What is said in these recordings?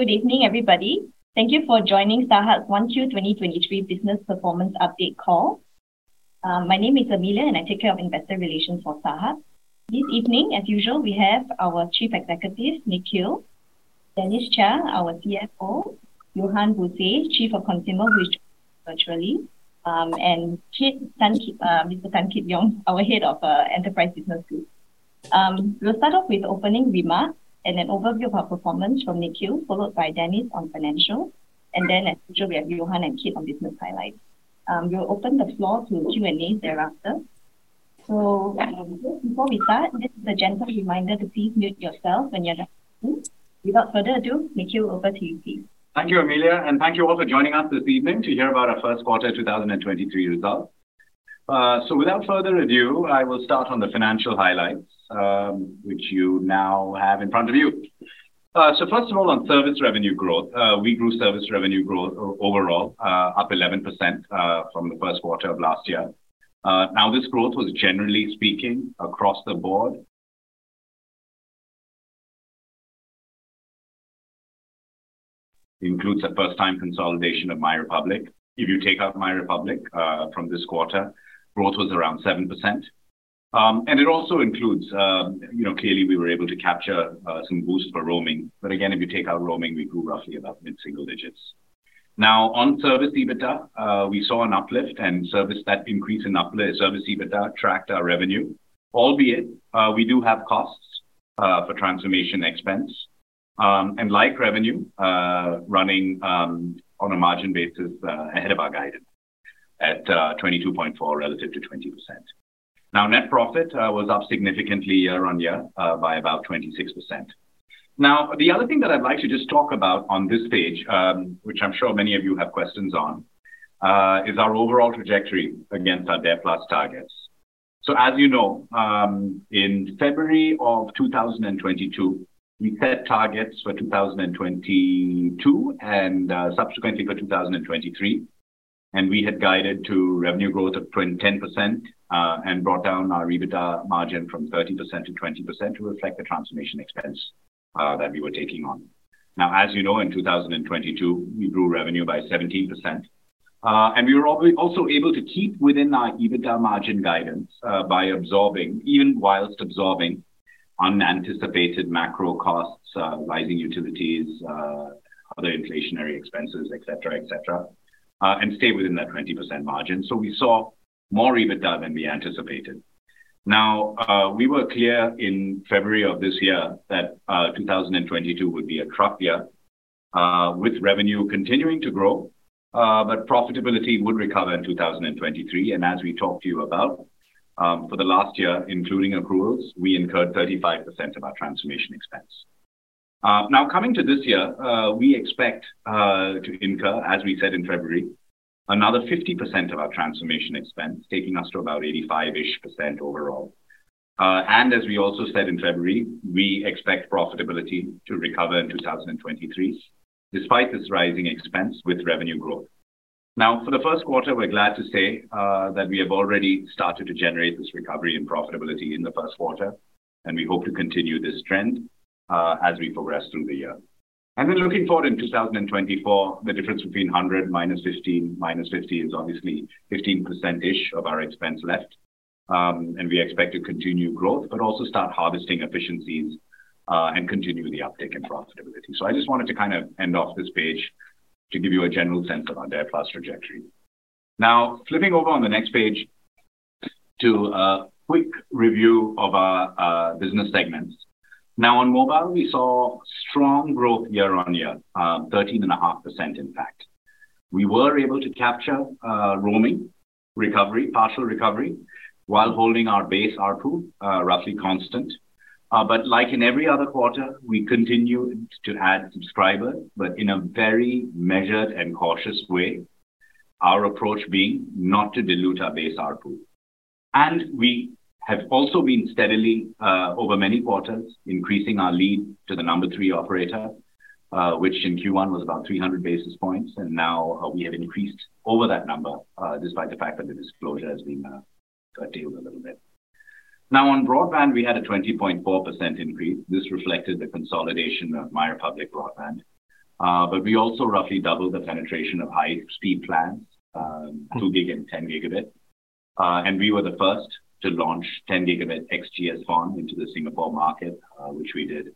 Hi, good evening, everybody. Thank you for joining StarHub's 1Q 2023 Business Performance Update Call. My name is Amelia, and I take care of investor relations for StarHub. This evening, as usual, we have our Chief Executive, Nikhil. Dennis Chia, our CFO. Johan Buse, Chief of Consumer, virtually. And Mr. Tan Kit Yong, our Head of Enterprise Business Group. We'll start off with opening remarks and an overview of our performance from Nikhil, followed by Dennis on financial. As usual, we have Johan and Kit Yong on business highlights. We'll open the floor to Q&A thereafter. Just before we start, this is a gentle reminder to please mute yourself when you're not speaking. Without further ado, Nikhil, over to you, please. Thank you, Amelia. Thank you all for joining us this evening to hear about our First Quarter 2023 Results. Without further ado, I will start on the financial highlights, which you now have in front of you. First of all, on service revenue growth. We grew service revenue growth overall, up 11%, from the first quarter of last year. This growth was generally speaking across the board. Includes a first-time consolidation of MyRepublic. If you take out MyRepublic from this quarter, growth was around 7%. It also includes, you know, clearly we were able to capture some boost for roaming. Again, if you take out roaming, we grew roughly about mid-single digits. On service EBITDA, we saw an uplift service EBITDA tracked our revenue. Albeit, we do have costs for transformation expense. Like revenue, running on a margin basis, ahead of our guidance at 22.4% relative to 20%. Net profit was up significantly year-over-year by about 26%. The other thing that I'd like to just talk about on this page, which I'm sure many of you have questions on, is our overall trajectory against our DARE+ targets. As you know, in February of 2022, we set targets for 2022 and subsequently for 2023, and we had guided to revenue growth of 10%, and brought down our EBITDA margin from 30% to 20% to reflect the transformation expense that we were taking on. As you know, in 2022, we grew revenue by 17%. And we were also able to keep within our EBITDA margin guidance by absorbing, even whilst absorbing unanticipated macro costs, rising utilities, other inflationary expenses, et cetera, et cetera, and stay within that 20% margin. We saw more EBITDA than we anticipated. Now, we were clear in February of this year that 2022 would be a trough year, with revenue continuing to grow, but profitability would recover in 2023. As we talked to you about, for the last year, including accruals, we incurred 35% of our transformation expense. Now coming to this year, we expect to incur, as we said in February, another 50% of our transformation expense, taking us to about 85%-ish overall. As we also said in February, we expect profitability to recover in 2023, despite this rising expense with revenue growth. For the first quarter, we're glad to say, that we have already started to generate this recovery and profitability in the first quarter, we hope to continue this trend, as we progress through the year. Looking forward in 2024, the difference between 100 minus 15, minus 50 is obviously 15%-ish of our expense left. We expect to continue growth, but also start harvesting efficiencies, and continue the uptick in profitability. I just wanted to kind of end off this page to give you a general sense of our DARE+ trajectory. Flipping over on the next page to a quick review of our business segments. On mobile, we saw strong growth year-on-year, 13.5% impact. We were able to capture roaming recovery, partial recovery, while holding our base ARPU roughly constant. Like in every other quarter, we continue to add subscribers, but in a very measured and cautious way, our approach being not to dilute our base ARPU. We have also been steadily over many quarters, increasing our lead to the number three operator, which in Q1 was about 300 basis points, and now we have increased over that number despite the fact that the disclosure has been curtailed a little bit. On broadband, we had a 20.4% increase. This reflected the consolidation of MyRepublic broadband. We also roughly doubled the penetration of high-speed plans, 2 gig and 10 gigabit. We were the first to launch 10 gigabit XGS-PON into the Singapore market, which we did, you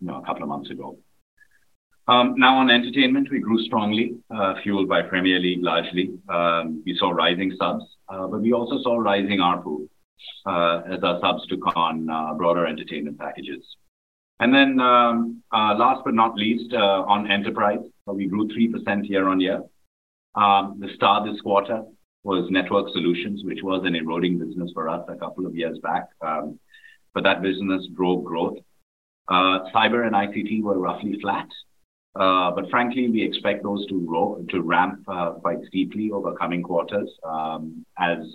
know, a couple of months ago. Now on entertainment, we grew strongly, fueled by Premier League largely. We saw rising subs, but we also saw rising ARPU, as our subs took on broader entertainment packages. Last but not least, on enterprise, we grew 3% year-on-year. The star this quarter was network solutions, which was an eroding business for us a couple of years back, but that business drove growth. Cyber and ICT were roughly flat. Frankly, we expect those to ramp quite steeply over coming quarters, as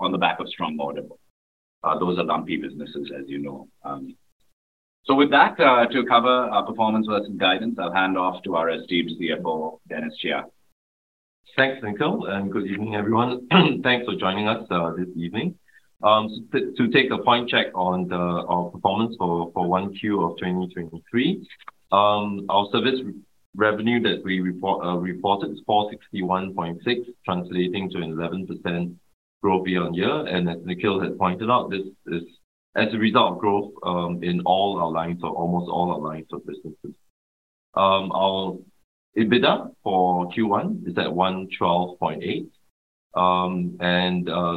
on the back of strong order book. Those are lumpy businesses, as you know. With that, to cover our performance versus guidance, I'll hand off to our esteemed CFO, Dennis Chia. Thanks, Nikhil, and good evening, everyone. Thanks for joining us this evening. To take a point check on the, our performance for 1Q of 2023, our service revenue that we reported is 461.6, translating to an 11% growth year-on-year. As Nikhil had pointed out, this is as a result of growth in all our lines or almost all our lines of businesses. Our EBITDA for Q1 is at 112.8.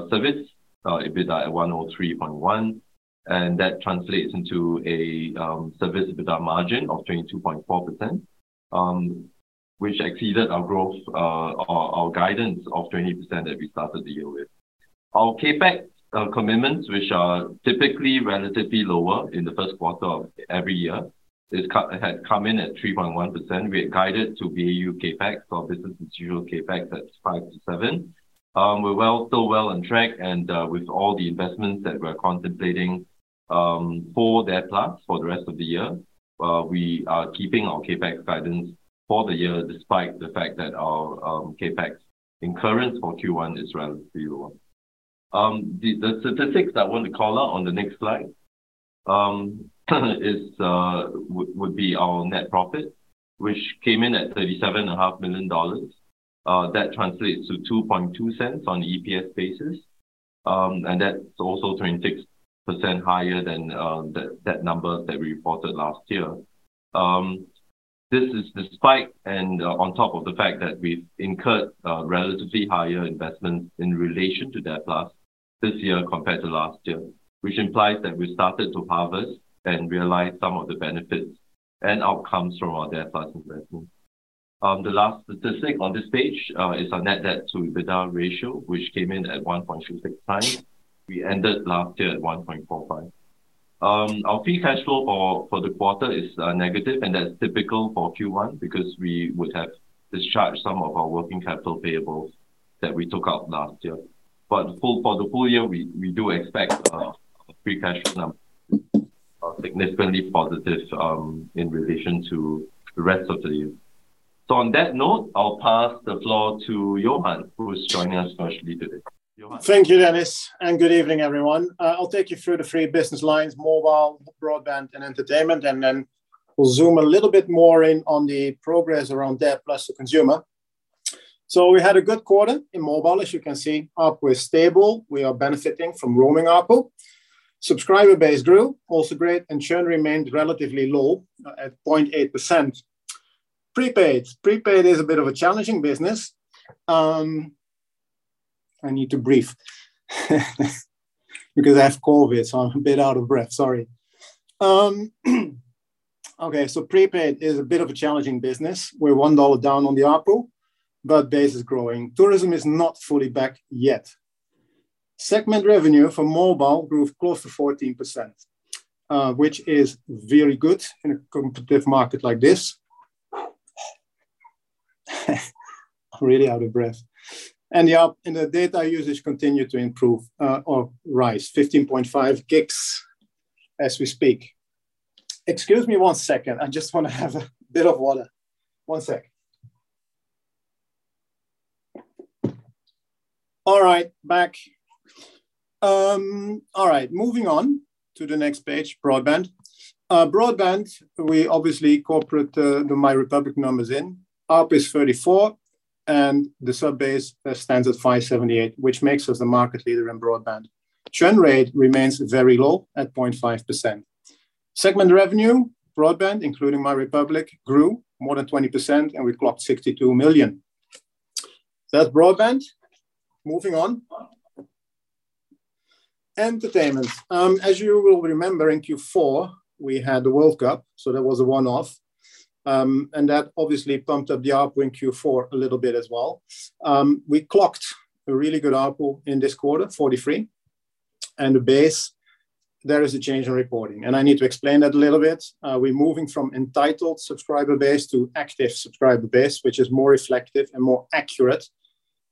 Service EBITDA at 103.1, and that translates into a service EBITDA margin of 22.4%, which exceeded our guidance of 20% that we started the year with. Our CapEx commitments, which are typically relatively lower in the first quarter of every year, has come in at 3.1%. We had guided to BAU CapEx, so business-as-usual CapEx, that's 5%-7%. We're still well on track and with all the investments that we're contemplating for that plus for the rest of the year, we are keeping our CapEx guidance for the year despite the fact that our CapEx incurrence for Q1 is relatively low. The statistics I want to call out on the next slide would be our net profit, which came in at 37.5 million dollars. That translates to 0.022 on EPS basis. That's also 26% higher than the number that we reported last year. This is despite and on top of the fact that we've incurred relatively higher investments in relation to DARE+ this year compared to last year. This implies that we started to harvest and realize some of the benefits and outcomes from our DARE+ investment. The last statistic on this page is our net debt to EBITDA ratio, which came in at 1.26x. We ended last year at 1.45. Our free cash flow for the quarter is negative, and that's typical for Q1 because we would have discharged some of our working capital payables that we took out last year. For the full year, we do expect our free cash flow significantly positive in relation to the rest of the year. On that note, I'll pass the floor to Johan, who is joining us virtually today. Johan? Thank you, Dennis, and good evening, everyone. I'll take you through the three business lines mobile, broadband, and entertainment, and then we'll zoom a little bit more in on the progress around DARE+ the consumer. We had a good quarter in mobile. As you can see, ARPU is stable. We are benefiting from roaming ARPU. Subscriber base grew, also great, and churn remained relatively low at 0.8%. Prepaid. Prepaid is a bit of a challenging business. I need to breathe because I have COVID, so I'm a bit out of breath. Sorry. Prepaid is a bit of a challenging business. We're 1 dollar down on the ARPU, but base is growing. Tourism is not fully back yet. Segment revenue for mobile grew close to 14%, which is very good in a competitive market like this. I'm really out of breath. Yeah, the data usage continued to improve or rise, 15.5 GB as we speak. Excuse me one second. I just wanna have a bit of water. One sec. All right. Back. All right. Moving on to the next page, broadband. Broadband, we obviously incorporate the MyRepublic numbers in. ARPU is 34, and the sub base stands at 578, which makes us the market leader in broadband. Churn rate remains very low at 0.5%. Segment revenue, broadband, including MyRepublic, grew more than 20%, and we clocked 62 million. That's broadband. Moving on. Entertainment. As you will remember, in Q4, we had the World Cup. That was a one-off. That obviously pumped up the ARPU in Q4 a little bit as well. We clocked a really good ARPU in this quarter, 43. The base, there is a change in reporting, and I need to explain that a little bit. We're moving from entitled subscriber base to active subscriber base, which is more reflective and more accurate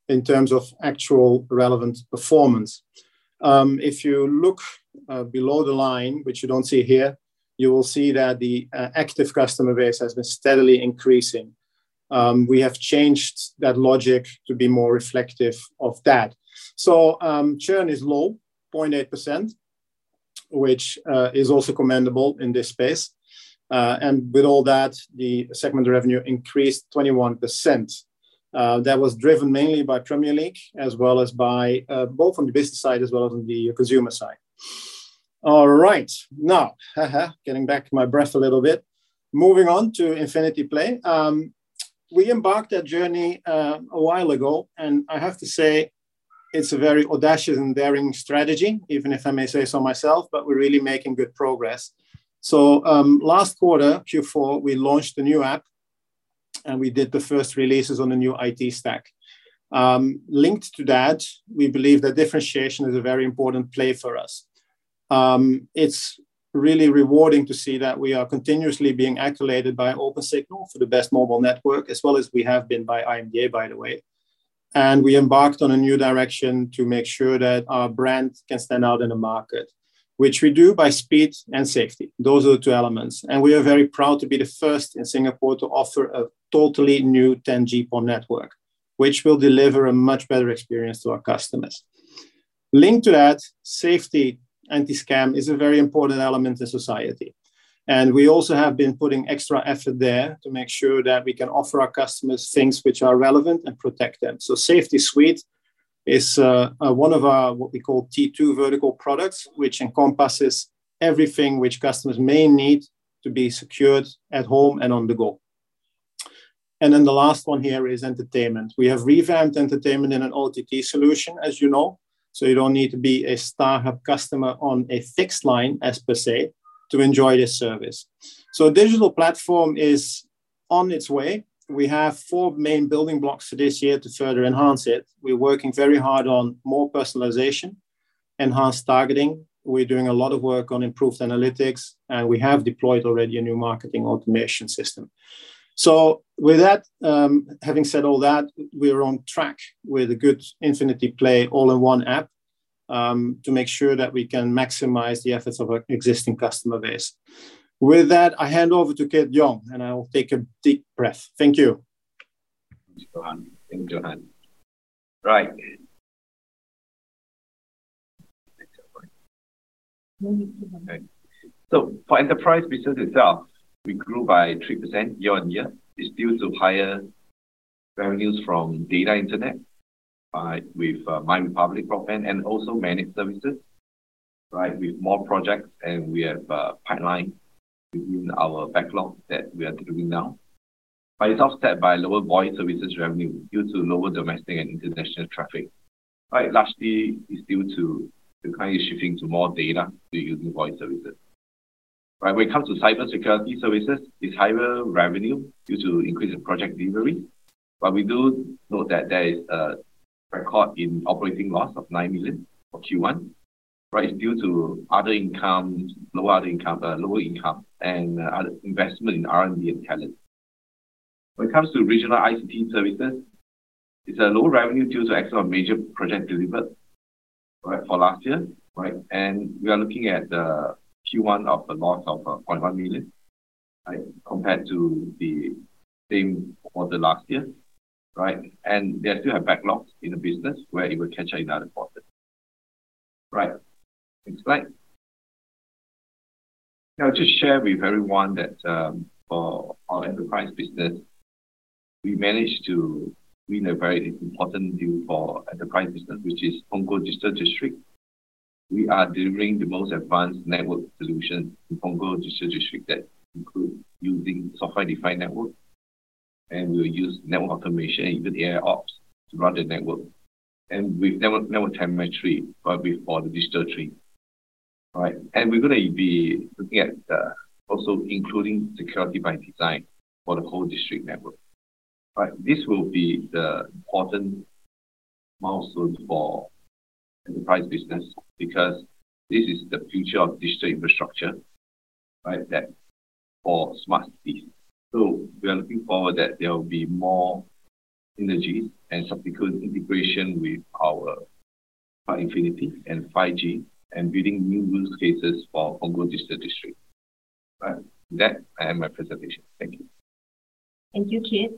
in terms of actual relevant performance. If you look below the line, which you don't see here, you will see that the active customer base has been steadily increasing. We have changed that logic to be more reflective of that. Churn is low, 0.8%, which is also commendable in this space. With all that, the segment revenue increased 21%. That was driven mainly by Premier League as well as by both on the business side as well as on the consumer side. All right. Getting back my breath a little bit. Moving on to Infinity Play. We embarked that journey a while ago, and I have to say, it's a very audacious and daring strategy, even if I may say so myself, but we're really making good progress. Last quarter, Q4, we launched the new app, and we did the first releases on the new IT stack. Linked to that, we believe that differentiation is a very important play for us. It's really rewarding to see that we are continuously being accolated by Opensignal for the best mobile network, as well as we have been by IMDA, by the way. We embarked on a new direction to make sure that our brand can stand out in the market, which we do by speed and safety. Those are the two elements. We are very proud to be the first in Singapore to offer a totally new 10 GB network, which will deliver a much better experience to our customers. Linked to that, safety, anti-scam is a very important element in society. We also have been putting extra effort there to make sure that we can offer our customers things which are relevant and protect them. Safety Suite is one of our, what we call T2 vertical products, which encompasses everything which customers may need to be secured at home and on the go. The last one here is entertainment. We have revamped entertainment in an OTT solution, as you know. You don't need to be a StarHub customer on a fixed line as per se to enjoy this service. Digital platform is on its way. We have four main building blocks for this year to further enhance it. We're working very hard on more personalization, enhanced targeting. We're doing a lot of work on improved analytics, and we have deployed already a new marketing automation system. With that, having said all that, we are on track with a good Infinity Play all-in-one app, to make sure that we can maximize the efforts of our existing customer base. With that, I hand over to Kit Yong, and I will take a deep breath. Thank you. Thank you, Johan. Thank you, Johan. Right. Okay. For enterprise business itself, we grew by 3% year-on-year. It's due to higher revenues from data internet with MyRepublic broadband and also managed services, right? With more projects and we have a pipeline within our backlog that we are delivering now. It's offset by lower voice services revenue due to lower domestic and international traffic. Right. Lastly, it's due to the clients shifting to more data to using voice services. Right. When it comes to cybersecurity services, it's higher revenue due to increase in project delivery. We do note that there is a record in operating loss of 9 million for Q1. Right. It's due to other income, lower other income, lower income and other investment in R&D and talent. When it comes to regional ICT services, it's a low revenue due to exit of major project delivered, right, for last year. We are looking at Q1 of a loss of 0.1 million, right, compared to the same quarter last year, right? They still have backlogs in the business where it will catch in other quarters. Next slide. I'll just share with everyone that for our enterprise business, we managed to win a very important deal for enterprise business, which is Punggol Digital District. We are delivering the most advanced network solution in Punggol Digital District that include using software-defined network, and we'll use network automation, even AIOps, to run the network. With network telemetry for the digital twin. We're gonna be looking at also including security by design for the whole district network. Right. This will be the important milestone for enterprise business because this is the future of digital infrastructure, right, for smart cities. We are looking forward that there will be more synergies and subsequent integration with our Infinity and 5G and building new use cases for Punggol Digital District. All right. With that, I end my presentation. Thank you. Thank you, Kit.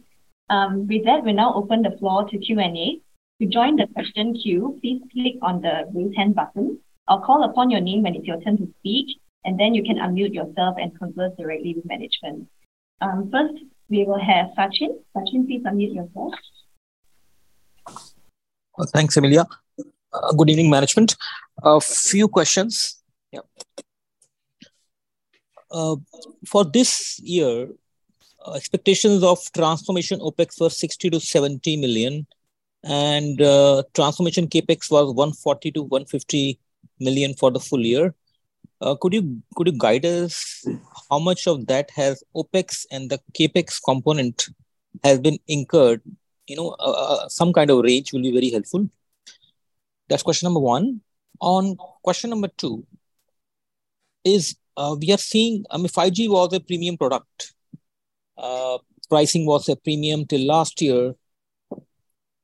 With that, we now open the floor to Q&A. To join the question queue, please click on the raise hand button. I'll call upon your name when it's your turn to speak, and then you can unmute yourself and converse directly with management. First, we will have Sachin. Sachin, please unmute yourself. Well, thanks, Amelia. Good evening, management. A few questions. Yeah. For this year, expectations of transformation OpEx was 60 million-70 million, and transformation CapEx was 140 million-150 million for the full year. Could you guide us how much of that has OpEx and the CapEx component has been incurred? You know, some kind of range will be very helpful. That's question number one. Question number two is, I mean, 5G was a premium product. Pricing was a premium till last year.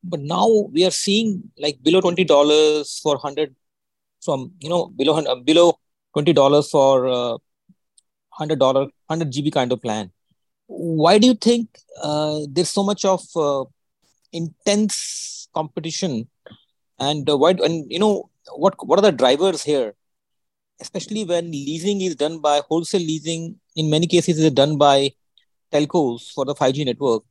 Now we are seeing like below 20 dollars for 100 from, you know, below 20 dollars for 100 dollar, 100 GB kind of plan. Why do you think there's so much of intense competition? You know, what are the drivers here? Especially when leasing is done by wholesale leasing, in many cases, is done by telcos for the 5G network.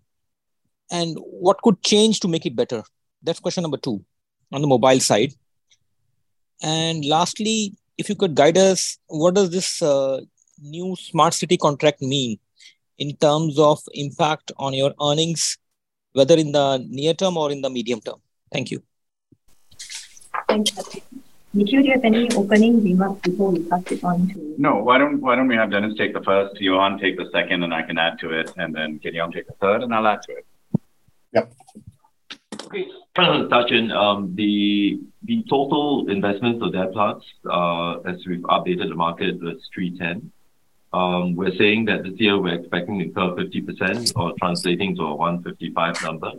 What could change to make it better? That's question number two on the mobile side. Lastly, if you could guide us, what does this new smart city contract mean in terms of impact on your earnings, whether in the near term or in the medium term? Thank you. Thank you. Nikhil, do you have any opening remarks before we pass this on to. No. Why don't we have Dennis take the first, Johan take the second, and I can add to it? Kit Yong take the third, and I'll add to it. Yep. Okay. Sachin, the total investments of that part, as we've updated the market, was 310. We're saying that this year we're expecting to incur 50% or translating to a 155 number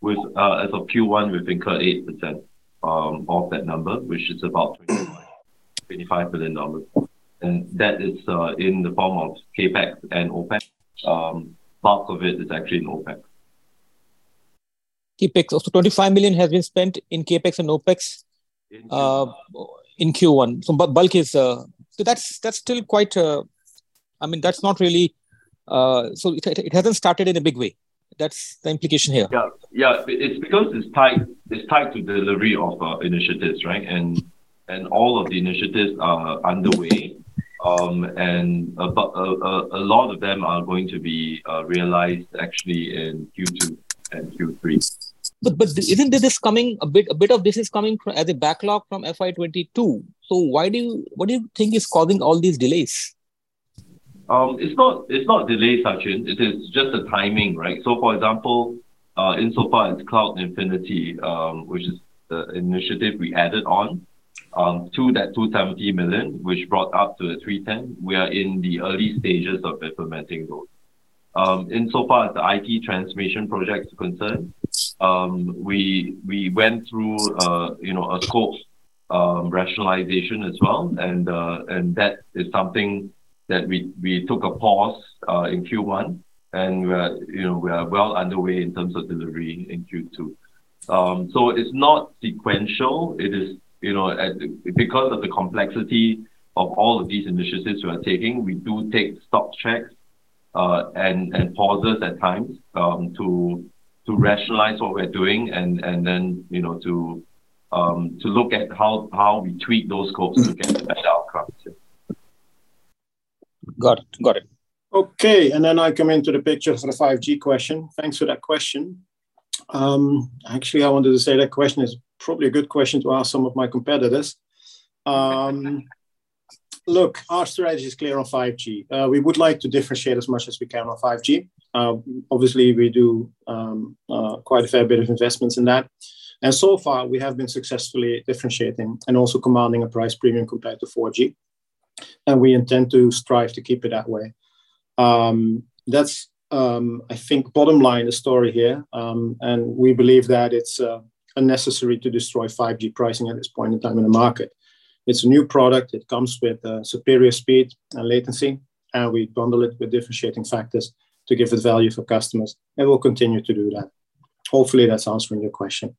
with, as of Q1, we've incurred 8% of that number, which is about 25 million dollars. That is in the form of CapEx and OpEx. Part of it is actually in OpEx. CapEx. 25 million has been spent in CapEx and OpEx. In Q1. In Q1. bulk is. That's still quite. I mean, that's not really. It hasn't started in a big way. That's the implication here. Yeah. Yeah. It's because it's tied, it's tied to delivery of initiatives, right? All of the initiatives are underway. A lot of them are going to be realized actually in Q2 and Q3. Isn't this is coming a bit of this is coming as a backlog from FY 2022, so why do you, what do you think is causing all these delays? It's not, it's not delays, Sachin. It is just the timing, right? For example, insofar as Cloud Infinity, which is the initiative we added on, to that 270 million, which brought up to the 310, we are in the early stages of implementing those. Insofar as the IT transformation project is concerned, we went through, you know, a scope rationalization as well and that is something that we took a pause in Q1 and we are, you know, we are well underway in terms of delivering in Q2. So it's not sequential, it is, you know, at the because of the complexity of all of these initiatives we are taking, we do take stock checks, and pauses at times, to rationalize what we're doing and then, you know, to look at how we tweak those scopes to get a better outcome. Yeah. Got it. Got it. Okay. Then I come into the picture for the 5G question. Thanks for that question. Actually I wanted to say that question is probably a good question to ask some of my competitors. Look, our strategy is clear on 5G. We would like to differentiate as much as we can on 5G. Obviously we do quite a fair bit of investments in that. So far we have been successfully differentiating and also commanding a price premium compared to 4G, and we intend to strive to keep it that way. That's, I think bottom line the story here. We believe that it's unnecessary to destroy 5G pricing at this point in time in the market. It's a new product. It comes with, superior speed and latency, and we bundle it with differentiating factors to give the value for customers, and we'll continue to do that. Hopefully that's answering your question.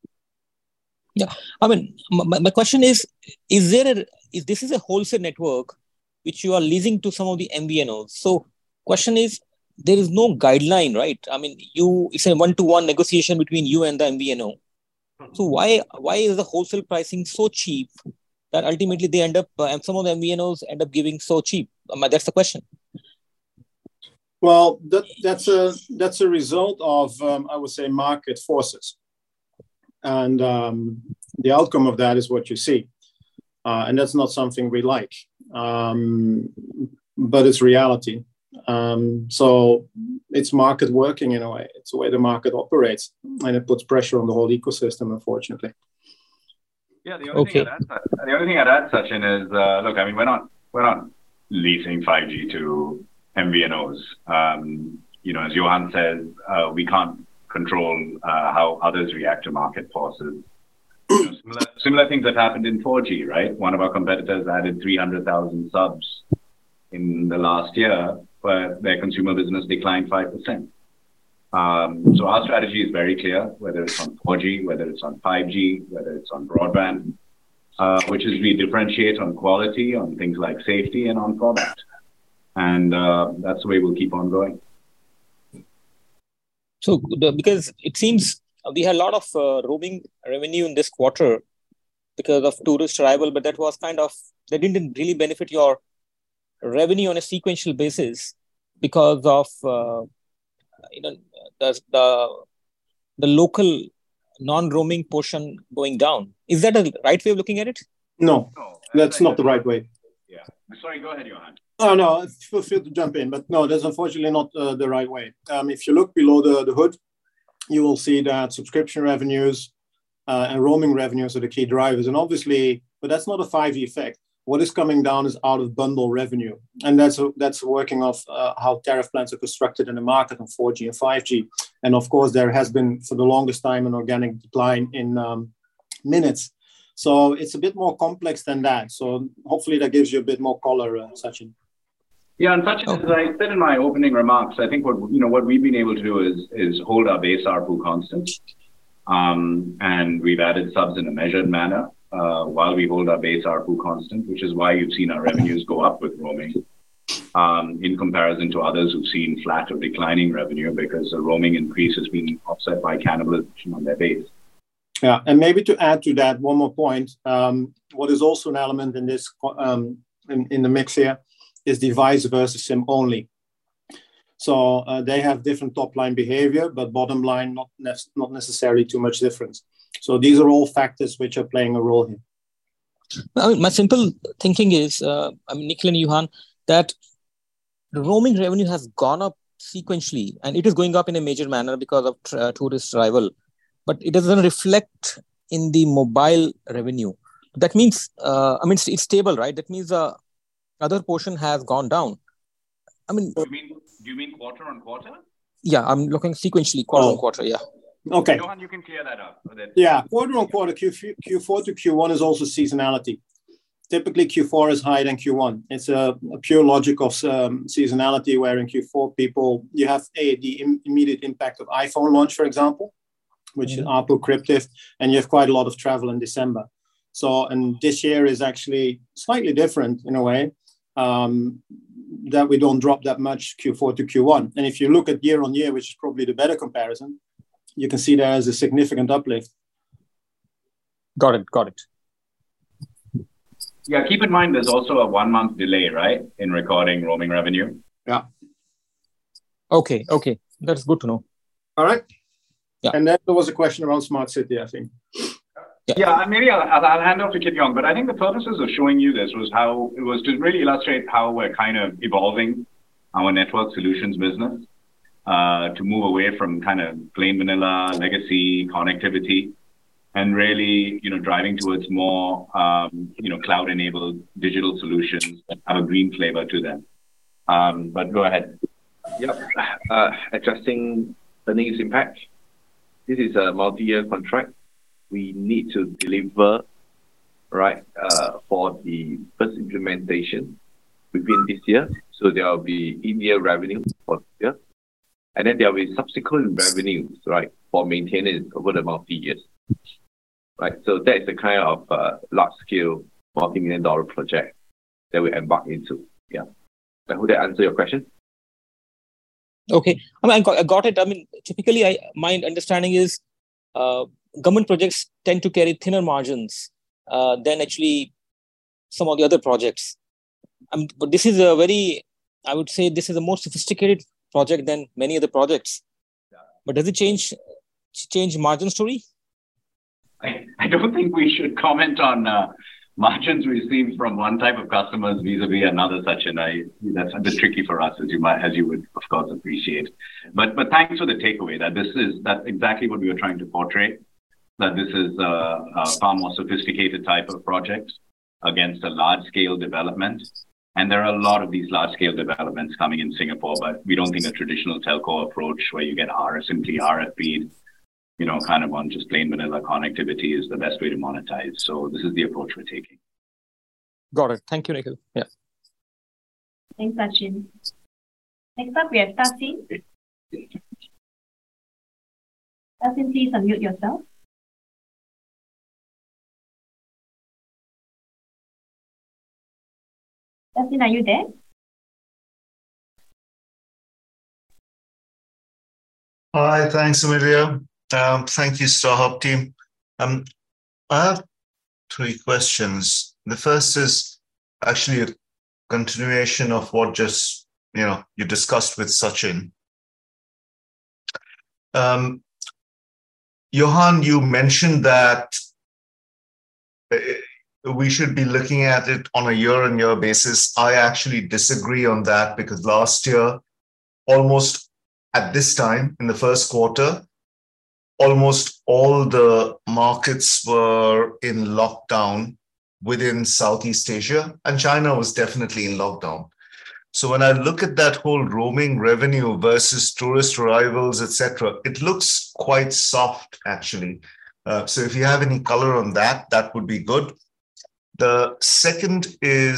Yeah. I mean, my question is, if this is a wholesale network which you are leasing to some of the MVNOs, question is, there is no guideline, right? I mean, it's a one-to-one negotiation between you and the MVNOs. Why is the wholesale pricing so cheap that ultimately they end up, and some of the MVNOs end up giving so cheap? That's the question. Well, that's a result of, I would say market forces, and, the outcome of that is what you see. That's not something we like, but it's reality. It's market working in a way. It's the way the market operates, and it puts pressure on the whole ecosystem, unfortunately. Yeah. The only thing I'd add. Okay. The only thing I'd add, Sachin, is, look, I mean, we're not leasing 5G to MVNOs. You know, as Johan says, we can't control how others react to market forces. You know, similar things have happened in 4G, right? One of our competitors added 300,000 subs in the last year, but their consumer business declined 5%. Our strategy is very clear, whether it's on 4G, whether it's on 5G, whether it's on broadband, which is we differentiate on quality on things like safety and on product, and that's the way we'll keep on going. Because it seems, we had a lot of roaming revenue in this quarter because of tourist arrival, but that didn't really benefit your revenue on a sequential basis because of, you know, the local non-roaming portion going down. Is that a right way of looking at it? No. No. That's. That's not the right way. Yeah. Sorry, go ahead, Johan. Oh, no. Feel free to jump in, but no, that's unfortunately not the right way. If you look below the hood, you will see that subscription revenues, and roaming revenues are the key drivers, and obviously. That's not a 5G effect. What is coming down is out of bundle revenue, and that's a, that's a working of how tariff plans are constructed in the market on 4G and 5G. Of course, there has been, for the longest time, an organic decline in minutes. It's a bit more complex than that. Hopefully that gives you a bit more color, Sachin. Okay. Sachin, as I said in my opening remarks, I think what, you know, what we've been able to do is hold our base ARPU constant. We've added subs in a measured manner, while we hold our base ARPU constant, which is why you've seen our revenues go up with roaming, in comparison to others who've seen flat or declining revenue because the roaming increase has been offset by cannibalization on their base. Yeah. Maybe to add to that, one-more point, what is also an element in this in the mix here is device versus SIM-only. They have different top-line behavior, but bottom line not necessarily too much difference. These are all factors which are playing a role here. I mean, my simple thinking is, I mean, Nikhil and Johan, that roaming revenue has gone up sequentially, and it is going up in a major manner because of tourist arrival. It doesn't reflect in the mobile revenue. I mean, it's stable, right? The other portion has gone down. I mean. Do you mean quarter-on-quarter? Yeah, I'm looking sequentially quarter-on-quarter. Oh. Yeah. Okay. Johan, you can clear that up then. Yeah. Quarter-on-quarter, Q4 to Q1 is also seasonality. Typically, Q4 is higher than Q1. It's a pure logic of seasonality where in Q4 people, you have, A, the immediate impact of iPhone launch, for example. Which ARPU crypts, and you have quite a lot of travel in December. This year is actually slightly different in a way, that we don't drop that much Q4 to Q1. If you look at year-on-year, which is probably the better comparison, you can see there is a significant uplift. Got it. Got it. Yeah, keep in mind there's also a one-month delay, right, in recording roaming revenue. Yeah. Okay. That is good to know. All right. Yeah. There was a question around Smart city, I think. Yeah. Maybe I'll hand over to Kit Yong. I think the purposes of showing you this was to really illustrate how we're kinda evolving our network solutions business, to move away from kinda plain vanilla legacy connectivity and really, you know, driving towards more, you know, cloud-enabled digital solutions that have a green flavor to them. Go ahead. Yep. Addressing the news impact. This is a multi-year contract we need to deliver for the first implementation within this year. There will be in-year revenue for this year, and then there will be subsequent revenues for maintaining over the multi-years. Right. That is the kind of large-scale multi-million dollar project that we embark into. Yeah. Does that answer your question? Okay. I mean, I got it. I mean, typically my understanding is government projects tend to carry thinner margins than actually some of the other projects. This is a very, I would say this is a more sophisticated project than many other projects. Yeah. Does it change margin story? I don't think we should comment on margins received from one type of customers vis-à-vis another, Sachin. That's a bit tricky for us, as you would of course appreciate. Thanks for the takeaway, that exactly what we were trying to portray, that this is a far more sophisticated type of project against a large-scale development. There are a lot of these large-scale developments coming in Singapore, we don't think a traditional telco approach where you get simply RFPs, you know, kind of on just plain vanilla connectivity is the best way to monetize. This is the approach we're taking. Got it. Thank you, Nikhil. Yeah. Thanks, Sachin. Next up, we have Sachin. Sachin, please unmute yourself. Sachin, are you there? Hi. Thanks, Amelia. Thank you, StarHub team. I have three questions. The first is actually a continuation of what just, you know, you discussed with Sachin. Johan, you mentioned that, we should be looking at it on a year-on-year basis. I actually disagree on that, because last year, almost at this time in the first quarter, almost all the markets were in lockdown within Southeast Asia, and China was definitely in lockdown. When I look at that whole roaming revenue versus tourist arrivals, et cetera, it looks quite soft actually. If you have any color on that would be good.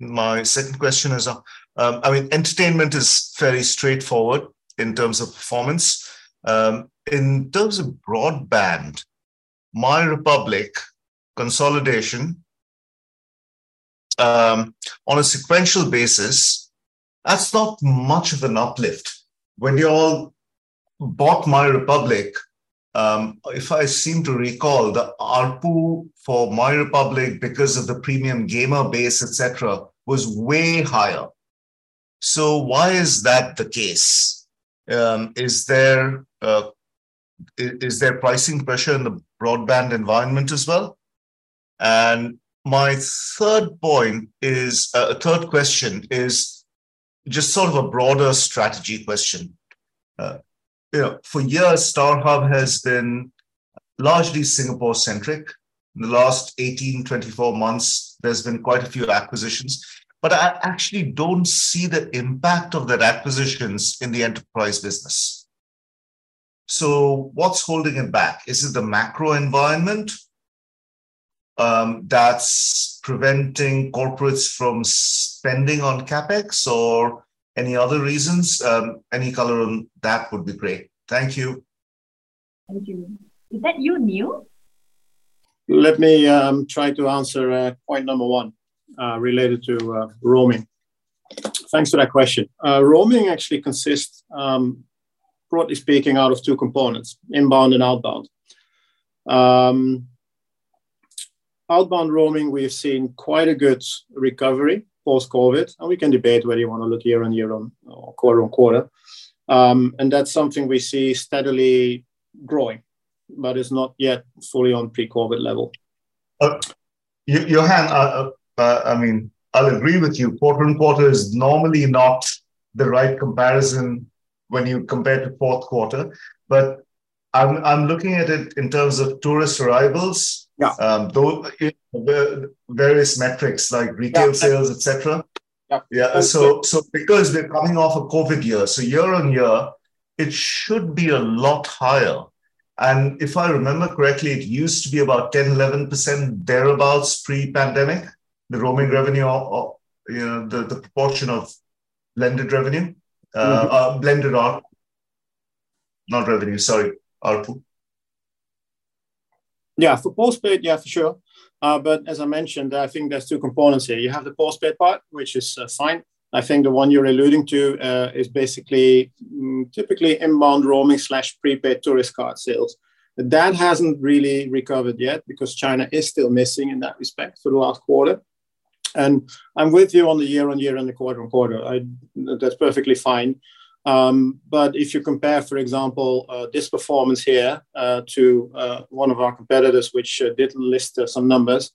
My second question is on. I mean, entertainment is fairly straightforward in terms of performance. In terms of broadband, MyRepublic consolidation, on a sequential basis, that's not much of an uplift. When you all bought MyRepublic, if I seem to recall, the ARPU for MyRepublic because of the premium gamer base, et cetera, was way higher. Why is that the case? Is there pricing pressure in the broadband environment as well? My third question is just sort of a broader strategy question. You know, for years, StarHub has been largely Singapore-centric. In the last 18, 24 months, there's been quite a few acquisitions. I actually don't see the impact of that acquisitions in the enterprise business. What's holding it back? Is it the macro environment that's preventing corporates from spending on CapEx or any other reasons? Any color on that would be great. Thank you. Thank you. Is that you, Neil? Let me try to answer point number 1 related to roaming. Thanks for that question. Roaming actually consists, broadly speaking, out of 2 components: inbound and outbound. Outbound roaming, we've seen quite a good recovery post-COVID, and we can debate whether you wanna look year-on-year or quarter-on-quarter. That's something we see steadily growing, but it's not yet fully on pre-COVID level. Johan, I mean, I'll agree with you quarter-on-quarter is normally not the right comparison when you compare to fourth quarter. I'm looking at it in terms of tourist arrivals. Yeah. The various metrics like retail sales. Yeah. Et cetera. Yeah. Yeah. Because they're coming off a COVID year on year it should be a lot higher and if I remember correctly, it used to be about 10, 11% thereabouts pre-pandemic, the roaming revenue or, you know, the proportion of blended revenue. Blended ARPU, not revenue, sorry. ARPU. Yeah. For postpaid, yeah, for sure. As I mentioned, I think there's two components here. You have the postpaid part, which is fine. I think the one you're alluding to is basically typically inbound roaming/prepaid tourist card sales. That hasn't really recovered yet because China is still missing in that respect for the last quarter. I'm with you on the year-on-year and the quarter-on-quarter. That's perfectly fine. If you compare, for example, this performance here to one of our competitors, which didn't list some numbers,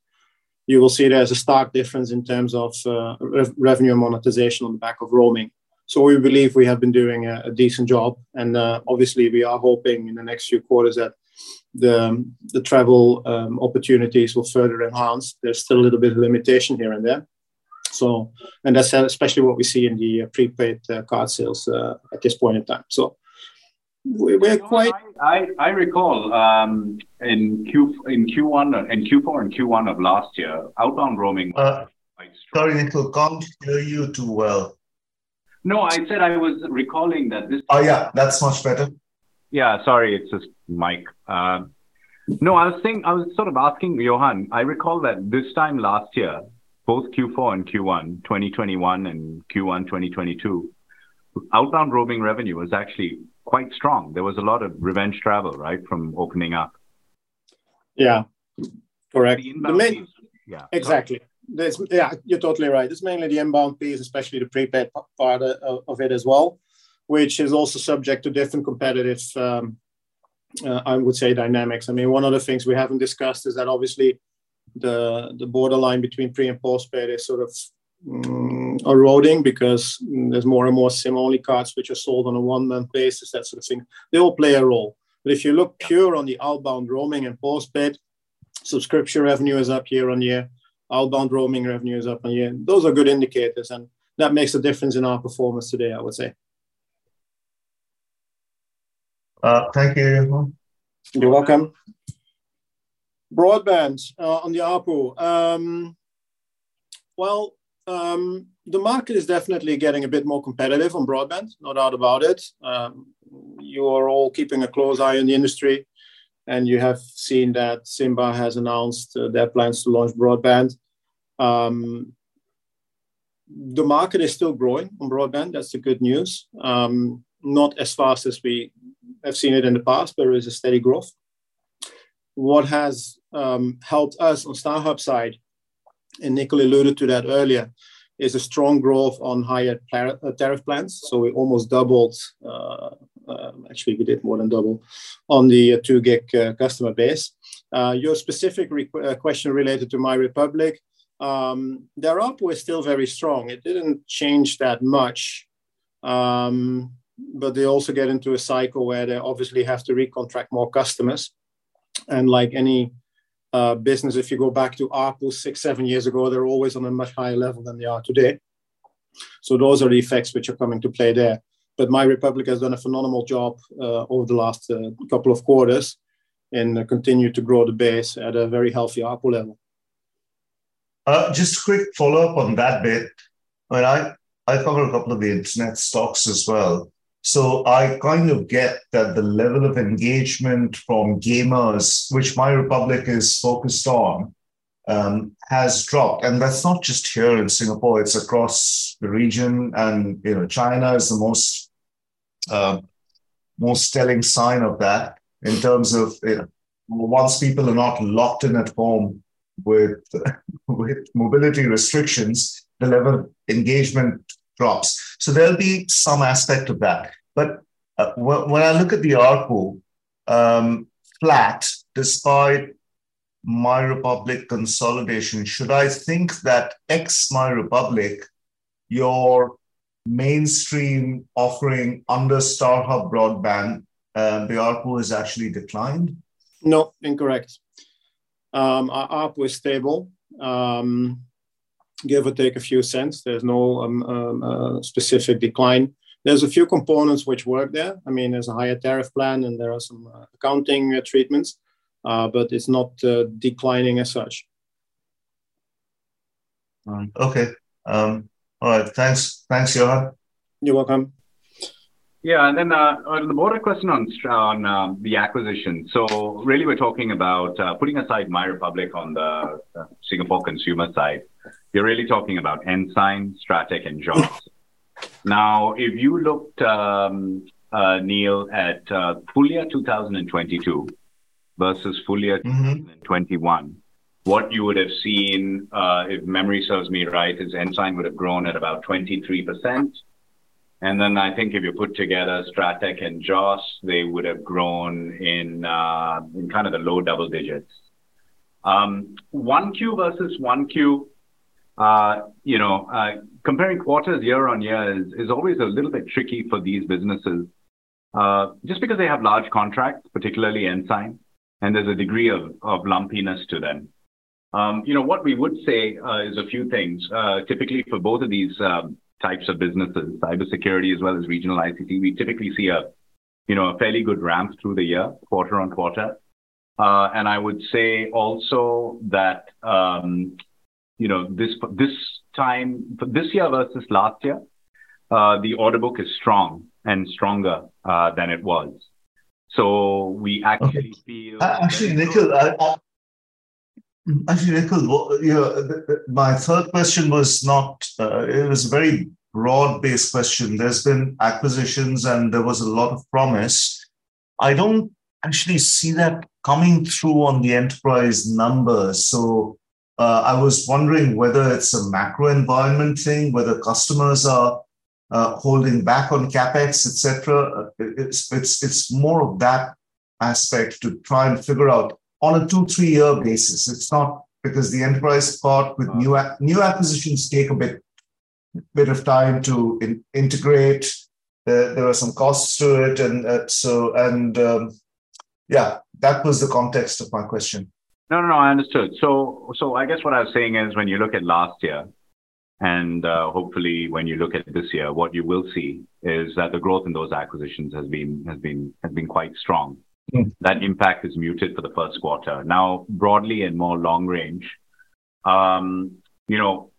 you will see there's a stark difference in terms of revenue and monetization on the back of roaming. We believe we have been doing a decent job and obviously we are hoping in the next few quarters that the travel opportunities will further enhance. There's still a little bit of limitation here and there. That's especially what we see in the prepaid card sales at this point in time. I recall in Q1 and Q4 and Q1 of last year, outbound roaming was quite strong. Sorry, Nikhil. Can't hear you too well. No, I said I was recalling that this. Oh, yeah. That's much better. Yeah. Sorry, it's this mic. No, I was sort of asking Johan, I recall that this time last year, both Q4 and Q1, 2021 and Q1 2022, outbound roaming revenue was actually quite strong. There was a lot of revenge travel, right, from opening up. Yeah. Correct. Mainly. Yeah. Exactly. That's, yeah, you're totally right. It's mainly the inbound piece, especially the prepaid part of it as well, which is also subject to different competitive, I mean, I would say dynamics. I mean, one of the things we haven't discussed is that obviously the borderline between pre and postpaid is sort of eroding because there's more and more SIM-only cards which are sold on a one-month basis, that sort of thing. They all play a role. If you look pure on the outbound roaming and postpaid subscription revenue is up year-on-year, outbound roaming revenue is up on year. Those are good indicators, and that makes a difference in our performance today, I would say. Thank you, Johan. You're welcome. Broadband, on the ARPU. Well, the market is definitely getting a bit more competitive on broadband, no doubt about it. You are all keeping a close eye on the industry, and you have seen that SIMBA has announced their plans to launch broadband. The market is still growing on broadband, that's the good news. Not as fast as we have seen it in the past, but it is a steady growth. What has helped us on StarHub side, and Nikhil alluded to that earlier, is a strong growth on higher tariff plans, so we almost doubled. Actually, we did more than double on the 2 gig customer base. Your specific question related to MyRepublic. Their ARPU is still very strong. It didn't change that much. They also get into a cycle where they obviously have to recontract more customers and like any business, if you go back to ARPU six, seven years ago, they're always on a much higher level than they are today. Those are the effects which are coming to play there. MyRepublic has done a phenomenal job over the last couple of quarters and continue to grow the base at a very healthy ARPU level. Just a quick follow-up on that bit. I cover a couple of the internet stocks as well. I kind of get that the level of engagement from gamers, which MyRepublic is focused on, has dropped. That's not just here in Singapore, it's across the region and, you know, China is the most telling sign of that in terms of, you know, once people are not locked in at home with mobility restrictions, the level of engagement drops. There'll be some aspect of that. When I look at the ARPU, flat despite MyRepublic consolidation, should I think that ex MyRepublic, your mainstream offering under StarHub broadband, the ARPU has actually declined? No, incorrect. Our ARPU is stable, give or take a few cents. There's no a specific decline. There's a few components which work there. I mean, there's a higher tariff plan and there are some accounting treatments, but it's not declining as such. All right. Okay. All right. Thanks. Thanks, Johan. You're welcome. Yeah. on the broader question on the acquisition. we're talking about, putting aside MyRepublic on the Singapore consumer side. We're really talking about Ensign, Strateq, and JOS. if you looked, Neil, at full year 2022 versus 2021, what you would have seen, if memory serves me right, is Ensign would have grown at about 23%. I think if you put together Strateq and JOS, they would have grown in kind of the low double-digits. 1Q versus 1Q, you know, comparing quarters year-on-year is always a little bit tricky for these businesses, just because they have large contracts, particularly Ensign, and there's a degree of lumpiness to them. You know, what we would say is a few things. Typically for both of these types of businesses, cybersecurity as well as regional ICT, we typically see you know, a fairly good ramp through the year, quarter-on-quarter. I would say also that, you know, this year versus last year, the order book is strong and stronger than it was. We actually. Actually, Nikhil, you know, my third question was not, it was a very broad-based question. There's been acquisitions, there was a lot of promise. I don't actually see that coming through on the enterprise numbers. I was wondering whether it's a macro environment thing, whether customers are holding back on CapEx, et cetera. It's more of that aspect to try and figure out on a 2, 3-year basis. It's not because the enterprise part with new acquisitions take a bit of time to integrate. There are some costs to it, yeah, that was the context of my question. No, no, I understood. I guess what I was saying is when you look at last year and hopefully when you look at this year, what you will see is that the growth in those acquisitions has been quite strong. That impact is muted for the first quarter. Broadly and more long range, you know,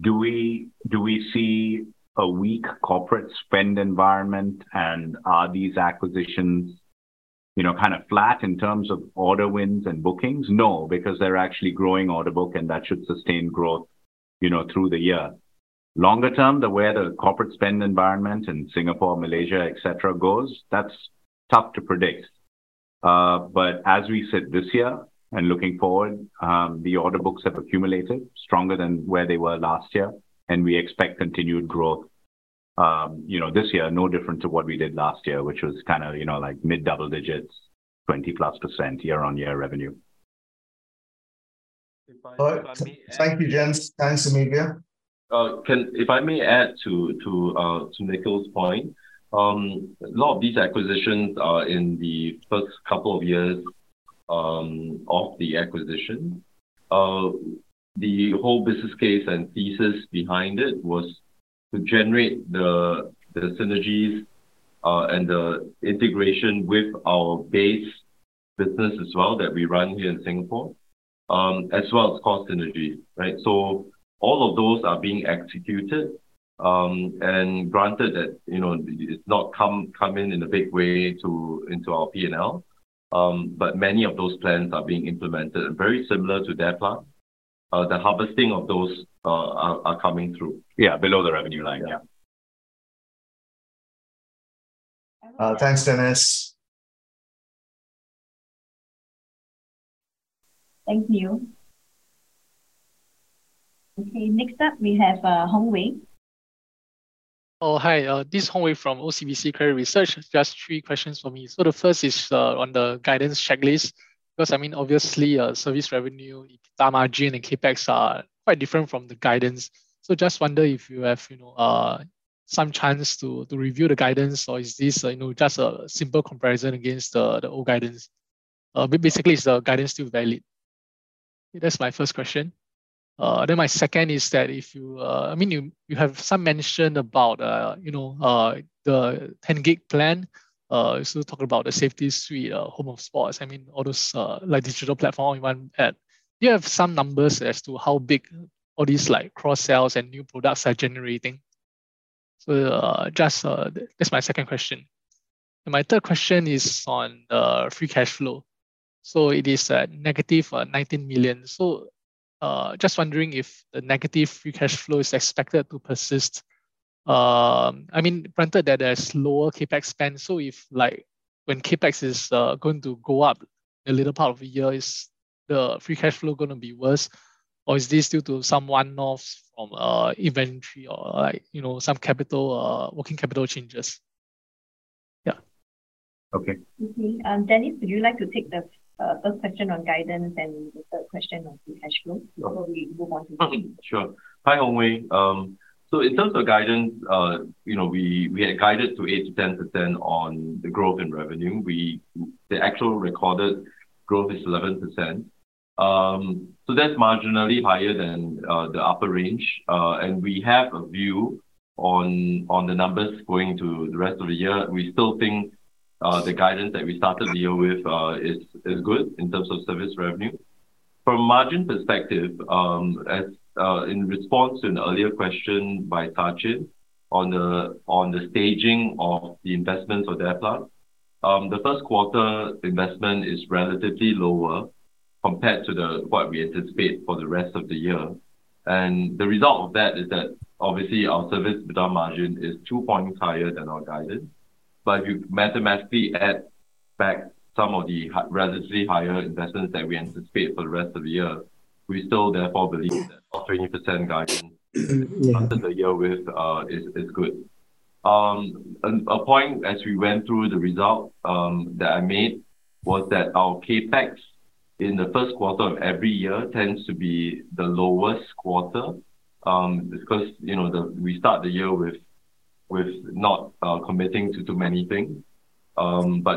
do we see a weak corporate spend environment and are these acquisitions, you know, kind of flat in terms of order wins and bookings? Because they're actually growing order book, and that should sustain growth, you know, through the year. Longer term, the way the corporate spend environment in Singapore, Malaysia, et cetera, goes, that's tough to predict. As we sit this year and looking forward, the order books have accumulated stronger than where they were last year, and we expect continued growth, you know, this year, no different to what we did last year, which was kind of, you know, like mid double-digits, 20%+ year-on-year revenue. Thank you, gents. Thanks, Amelia. If I may add to Nikhil's point, a lot of these acquisitions are in the first couple of years of the acquisition. The whole business case and thesis behind it was to generate the synergies and the integration with our base business as well that we run here in Singapore, as well as cost synergies, right? All of those are being executed. Granted that, you know, it's not come in a big way into our P&L, but many of those plans are being implemented and very similar to their plan. The harvesting of those are coming through. Yeah, below the revenue line. Yeah. Yeah. Thanks, Dennis. Thank you. Okay, next up we have Hong Wei. Hi. This is Hong Wei from OCBC Credit Research. Just three questions for me. The first is, on the guidance checklist, because I mean, obviously, service revenue, EBITDA margin, and CapEx are quite different from the guidance. Just wonder if you have, you know, some chance to review the guidance or is this, you know, just a simple comparison against the old guidance? Basically, is the guidance still valid? That's my first question. My second is that if you, I mean, you have some mention about, you know, the 10 gig plan. Talk about the Safety Suite, home and sports. I mean, all those like digital platform you want to add. Do you have some numbers as to how big all these like cross-sells and new products are generating? Just that's my second question. My third question is on free cash flow. It is negative 19 million. Just wondering if the negative free cash flow is expected to persist. I mean, granted that there's lower CapEx spend, so if like when CapEx is going to go up the latter part of the year, is the free cash flow gonna be worse, or is this due to some one-offs from inventory or like, you know, some capital working capital changes? Yeah. Okay. Okay. Dennis, would you like to take the first question on guidance and the third question on free cash flow? Sure. Before we move on to Hong Wei. Sure. Hi, Hong Wei. So in terms of guidance, you know, we had guided to 8%-10% on the growth in revenue. The actual recorded growth is 11%. That's marginally higher than the upper range. We have a view on the numbers going to the rest of the year. We still think the guidance that we started the year with is good in terms of service revenue. From a margin perspective, as in response to an earlier question by Sachin on the staging of the investments or DARE plan, the first quarter investment is relatively lower compared to what we anticipate for the rest of the year. The result of that is that obviously our service EBITDA margin is 2 points higher than our guidance. If you mathematically add back some of the relatively higher investments that we anticipate for the rest of the year. We still therefore believe that our 20% guidance started the year with, is good. A point as we went through the result, that I made was that our CapEx in the first quarter of every year tends to be the lowest quarter, because, you know, we start the year with not committing to too many things.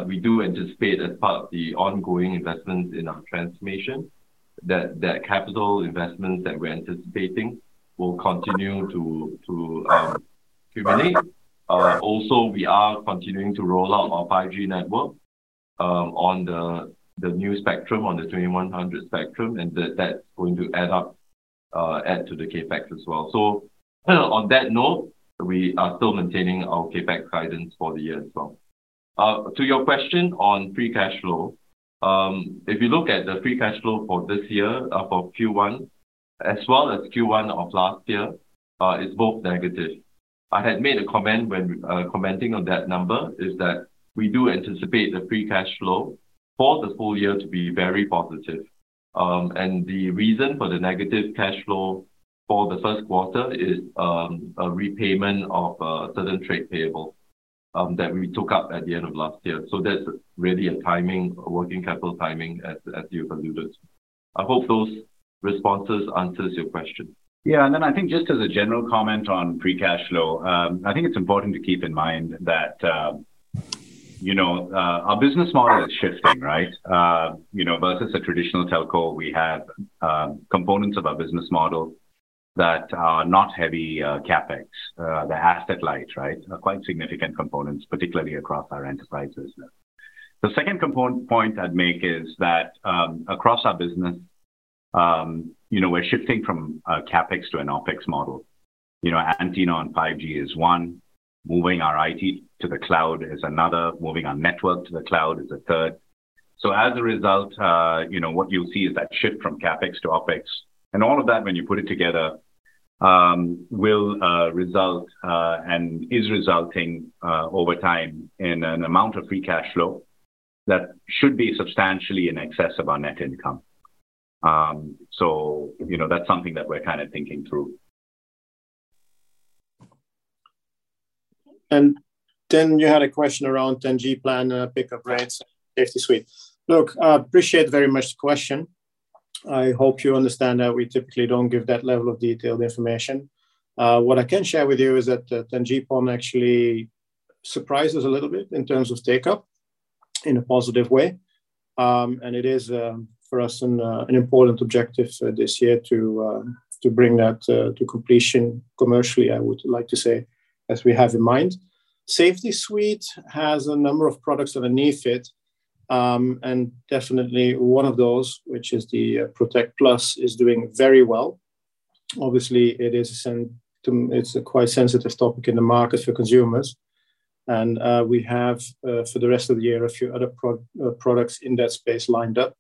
We do anticipate as part of the ongoing investments in our transformation that capital investments that we're anticipating will continue to accumulate. Also we are continuing to roll out our 5G network, on the new spectrum, on the 2100 MHz spectrum, and that's going to add up, add to the CapEx as well. On that note, we are still maintaining our CapEx guidance for the year as well. To your question on free cash flow. If you look at the free cash flow for this year, for Q1 as well as Q1 of last year, is both negative. I had made a comment when commenting on that number, is that we do anticipate the free cash flow for the full year to be very positive. And the reason for the negative cash flow for the first quarter is a repayment of certain trade payables that we took up at the end of last year. That's really a timing, working capital timing as you concluded. I hope those responses answers your question. Yeah. I think just as a general comment on free cash flow, I think it's important to keep in mind that, you know, our business model is shifting, right? You know, versus a traditional telco, we have components of our business model that are not heavy CapEx, they're asset light, right? Quite significant components, particularly across our enterprises. The second point I'd make is that, across our business, you know, we're shifting from a CapEx to an OpEx model. You know, antenna on 5G is one. Moving our IT to the cloud is another. Moving our network to the cloud is a third. As a result, you know, what you'll see is that shift from CapEx to OpEx. All of that when you put it together, will result and is resulting over time in an amount of free cash flow that should be substantially in excess of our net income. You know, that's something that we're kind of thinking through. You had a question around 10G plan pickup rates, Safety Suite. Look, I appreciate very much the question. I hope you understand that we typically don't give that level of detailed information. What I can share with you is that the 10G plan actually surprised us a little bit in terms of take-up in a positive way. It is for us an important objective this year to bring that to completion commercially, I would like to say, as we have in mind. Safety Suite has a number of products underneath it. Definitely one of those, which is the Protect+, is doing very well. Obviously, it is a quite sensitive topic in the market for consumers. We have for the rest of the year, a few other products in that space lined up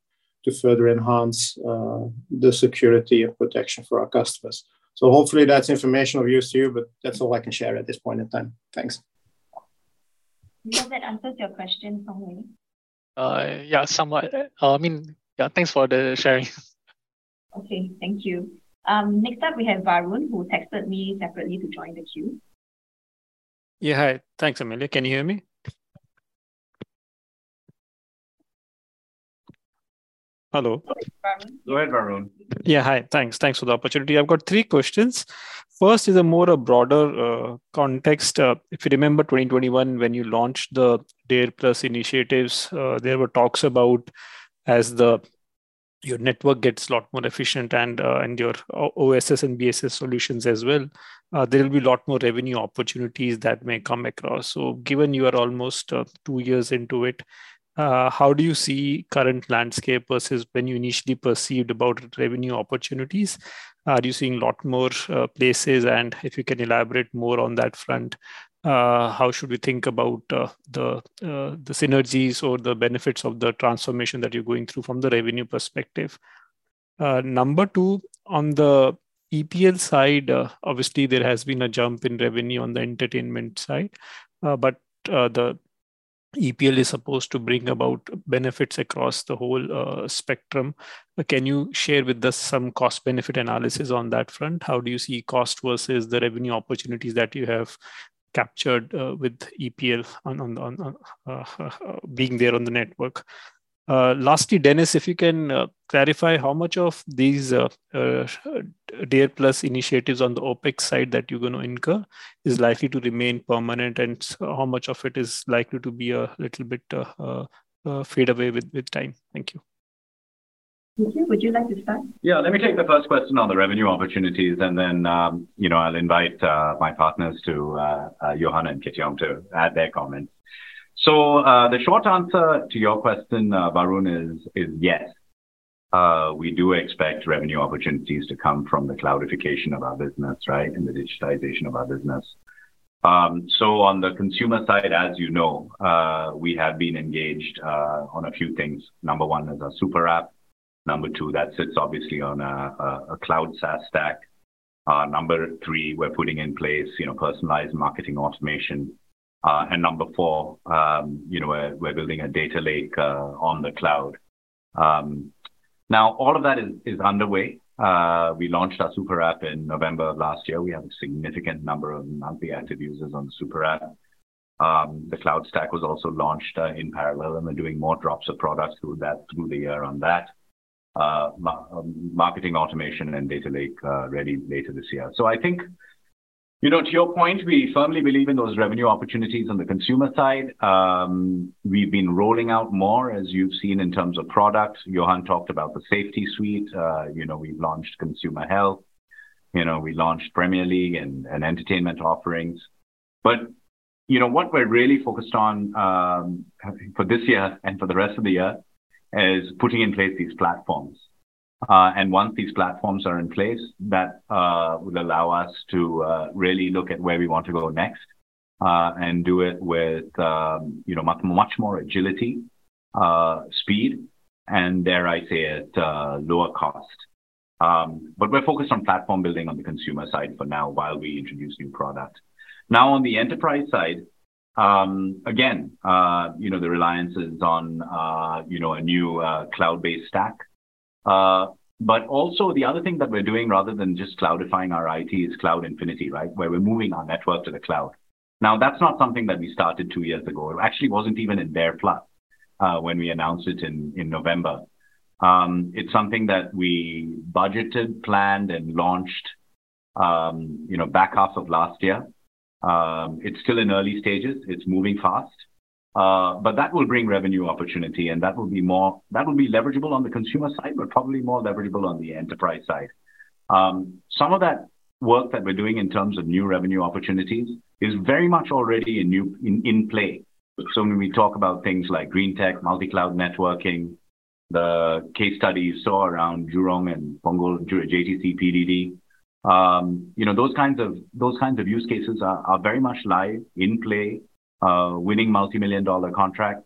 to further enhance the security and protection for our customers. Hopefully that's information of use to you, but that's all I can share at this point in time. Thanks. I hope that answers your question, Hong Wei. Yeah, somewhat. Okay. I mean, yeah, thanks for the sharing. Okay, thank you. Next up we have Varun, who texted me separately to join the queue. Yeah, hi. Thanks, Amelia. Can you hear me? Hello. Hi, Varun. Go ahead, Varun. Yeah, hi. Thanks. Thanks for the opportunity. I've got three questions. First is a more a broader context. If you remember 2021 when you launched the DARE+ initiatives, there were talks about as your network gets a lot more efficient and your OSS and BSS solutions as well, there will be a lot more revenue opportunities that may come across. Given you are almost two years into it, how do you see current landscape versus when you initially perceived about revenue opportunities? Are you seeing a lot more places? If you can elaborate more on that front, how should we think about the synergies or the benefits of the transformation that you're going through from the revenue perspective? Transcript of a speech given by a speaker. "Uh, number two, on the EPL side, uh, obviously there has been a jump in revenue on the entertainment side. Uh, but, uh, the EPL is supposed to bring about benefits across the whole, uh, spectrum. Can you share with us some cost-benefit analysis on that front? How do you see cost versus the revenue opportunities that you have captured, with EPL on being there on the network? Lastly, Dennis, if you can clarify how much of these DARE+ initiatives on the OpEx side that you're going to incur is likely to remain permanent, and how much of it is likely to be a little bit fade away with time? Thank you. Nikhil, would you like to start? Yeah, let me take the first question on the revenue opportunities, and then, you know, I'll invite my partners to Johan and Kit Yong to add their comments. The short answer to your question, Varun, is yes, we do expect revenue opportunities to come from the cloudification of our business, right, and the digitization of our business. On the consumer side, as you know, we have been engaged on a few things. 1 is our super app. 2, that sits obviously on a cloud SaaS stack. 3, we're putting in place, you know, personalized marketing automation. 4, you know, we're building a data lake on the cloud. Now all of that is underway. We launched our super app in November of last year. We have a significant number of monthly active users on the super app. The cloud stack was also launched in parallel, and we're doing more drops of products through that through the year on that. Marketing automation and data lake ready later this year. I think, you know, to your point, we firmly believe in those revenue opportunities on the consumer side. We've been rolling out more, as you've seen, in terms of products. Johan talked about the Safety Suite. You know, we've launched consumer health. You know, we launched Premier League and entertainment offerings. You know, what we're really focused on for this year and for the rest of the year is putting in place these platforms. Once these platforms are in place, that will allow us to really look at where we want to go next, and do it with, you know, much, much more agility, speed, and dare I say it, lower cost. We're focused on platform building on the consumer side for now while we introduce new products. On the enterprise side, again, you know, the reliance is on, you know, a new, cloud-based stack. Also the other thing that we're doing, rather than just cloudifying our IT, is Cloud Infinity, right? Where we're moving our network to the cloud. That's not something that we started two years ago. It actually wasn't even in DARE+, when we announced it in November. It's something that we budgeted, planned, and launched, you know, back half of last year. It's still in early stages. It's moving fast. That will bring revenue opportunity, and that will be leverageable on the consumer side, but probably more leverageable on the enterprise side. Some of that work that we're doing in terms of new revenue opportunities is very much already in play. When we talk about things like green tech, multi-cloud networking, the case studies saw around Jurong and Punggol, JTC, PDD. You know, those kinds of use cases are very much live, in play, winning multimillion-dollar contracts.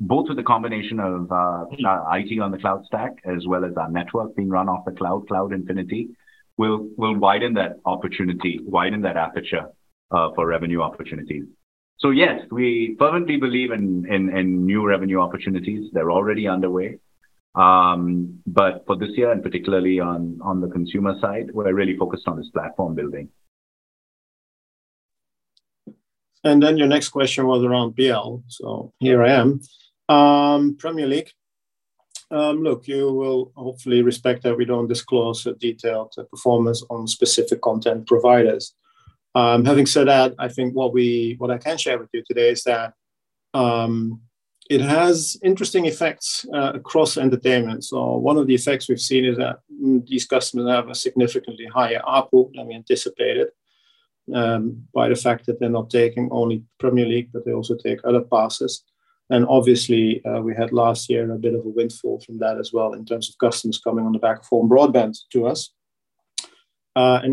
Both with the combination of IT on the cloud stack as well as our network being run off the cloud, Cloud Infinity, will widen that opportunity, widen that aperture for revenue opportunities. Yes, we firmly believe in new revenue opportunities. They're already underway. For this year, and particularly on the consumer side, what I really focused on is platform building. Your next question was around PL, so here I am. Premier League. Look, you will hopefully respect that we don't disclose the detailed performance on specific content providers. Having said that, I think what I can share with you today is that it has interesting effects across entertainment. One of the effects we've seen is that these customers have a significantly higher ARPU than we anticipated by the fact that they're not taking only Premier League, but they also take other passes. Obviously, we had last year a bit of a windfall from that as well in terms of customers coming on the back of home broadband to us.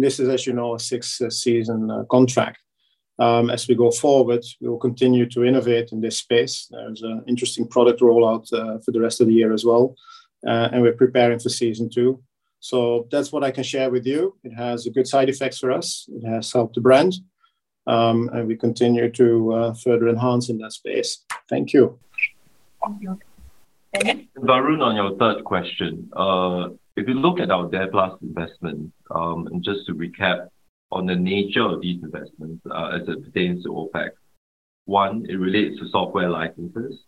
This is, as you know, a 6-season contract. As we go forward, we will continue to innovate in this space. There's an interesting product rollout, for the rest of the year as well. We're preparing for season two. That's what I can share with you. It has good side effects for us. It has helped the brand. We continue to further enhance in that space. Thank you. Thank you. Dennis? Varun, on your third question, if you look at our DARE+ investment, and just to recap on the nature of these investments, as it pertains to OpEx. One, it relates to software licenses,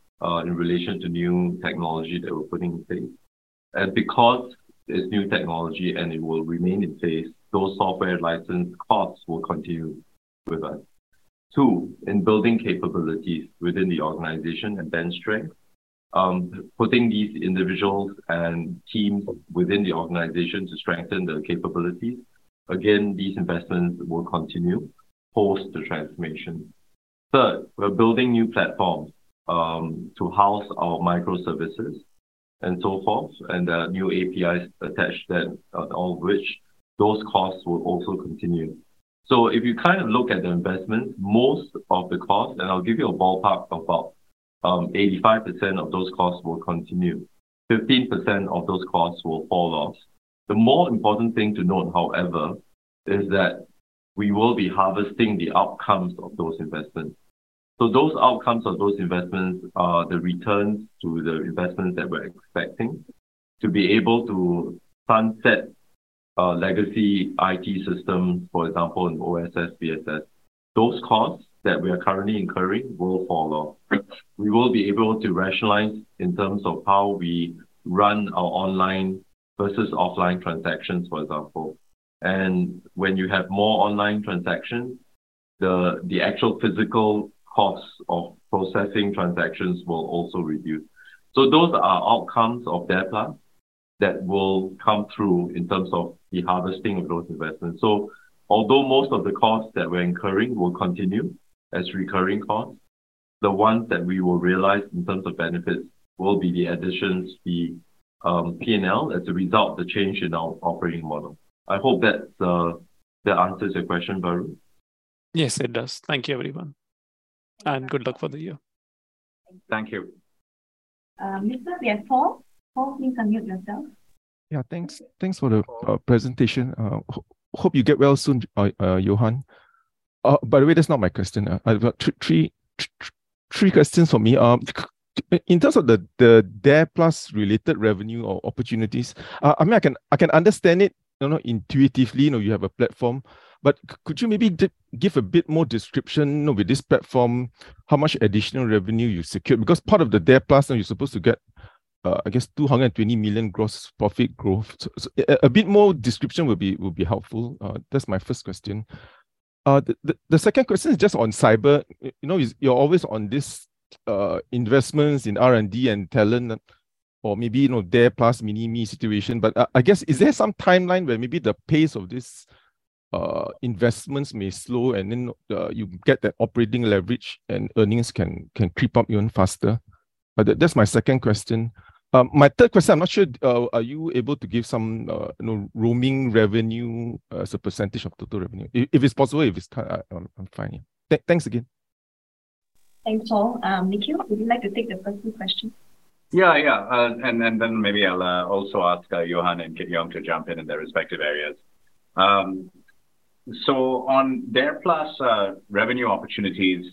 in relation to new technology that we're putting in place. Because it's new technology and it will remain in place, those software license costs will continue with that. Two, in building capabilities within the organization and bench strength, putting these individuals and teams within the organization to strengthen the capabilities. Again, these investments will continue post the transformation. Third, we're building new platforms, to house our microservices and so forth, and the new APIs attach that, all of which those costs will also continue. If you kind of look at the investment, most of the cost, and I'll give you a ballpark of about 85% of those costs will continue. 15% of those costs will fall off. The more important thing to note, however, is that we will be harvesting the outcomes of those investments. Those outcomes of those investments are the returns to the investments that we're expecting to be able to sunset legacy IT systems, for example, in OSS/BSS. Those costs that we are currently incurring will fall off. We will be able to rationalize in terms of how we run our online versus offline transactions, for example. When you have more online transactions, the actual physical costs of processing transactions will also reduce. Those are outcomes of that plan that will come through in terms of the harvesting of those investments. Although most of the costs that we're incurring will continue as recurring costs, the ones that we will realize in terms of benefits will be the additions, the P&L as a result of the change in our operating model. I hope that answers your question, Varun. Yes, it does. Thank you, everyone, and good luck for the year. Thank you. Mr. Paul. Paul, please unmute yourself. Yeah, thanks. Thanks for the presentation. Hope you get well soon, Johan. By the way, that's not my question. I've got three questions for me. In terms of the DARE+ related revenue or opportunities, I mean, I can understand it, you know, intuitively, you know, you have a platform, but could you maybe give a bit more description, you know, with this platform, how much additional revenue you secure? Part of the DARE+, now you're supposed to get, I guess 220 million gross profit growth. A bit more description will be helpful. That's my first question. The second question is just on cyber. You know, you're always on this investments in R&D and talent or maybe, you know, DARE+ mini me situation. I guess, is there some timeline where maybe the pace of this investments may slow and then you get that operating leverage and earnings can creep up even faster? That's my second question. My third question, I'm not sure, are you able to give some, you know, roaming revenue as a percentage of total revenue? If it's possible, if it's, I'm fine. Thanks again. Thanks, Paul. Nikhil, would you like to take the first two questions? Then maybe I'll also ask Johan and Kit Yong to jump in their respective areas. On DARE+, revenue opportunities,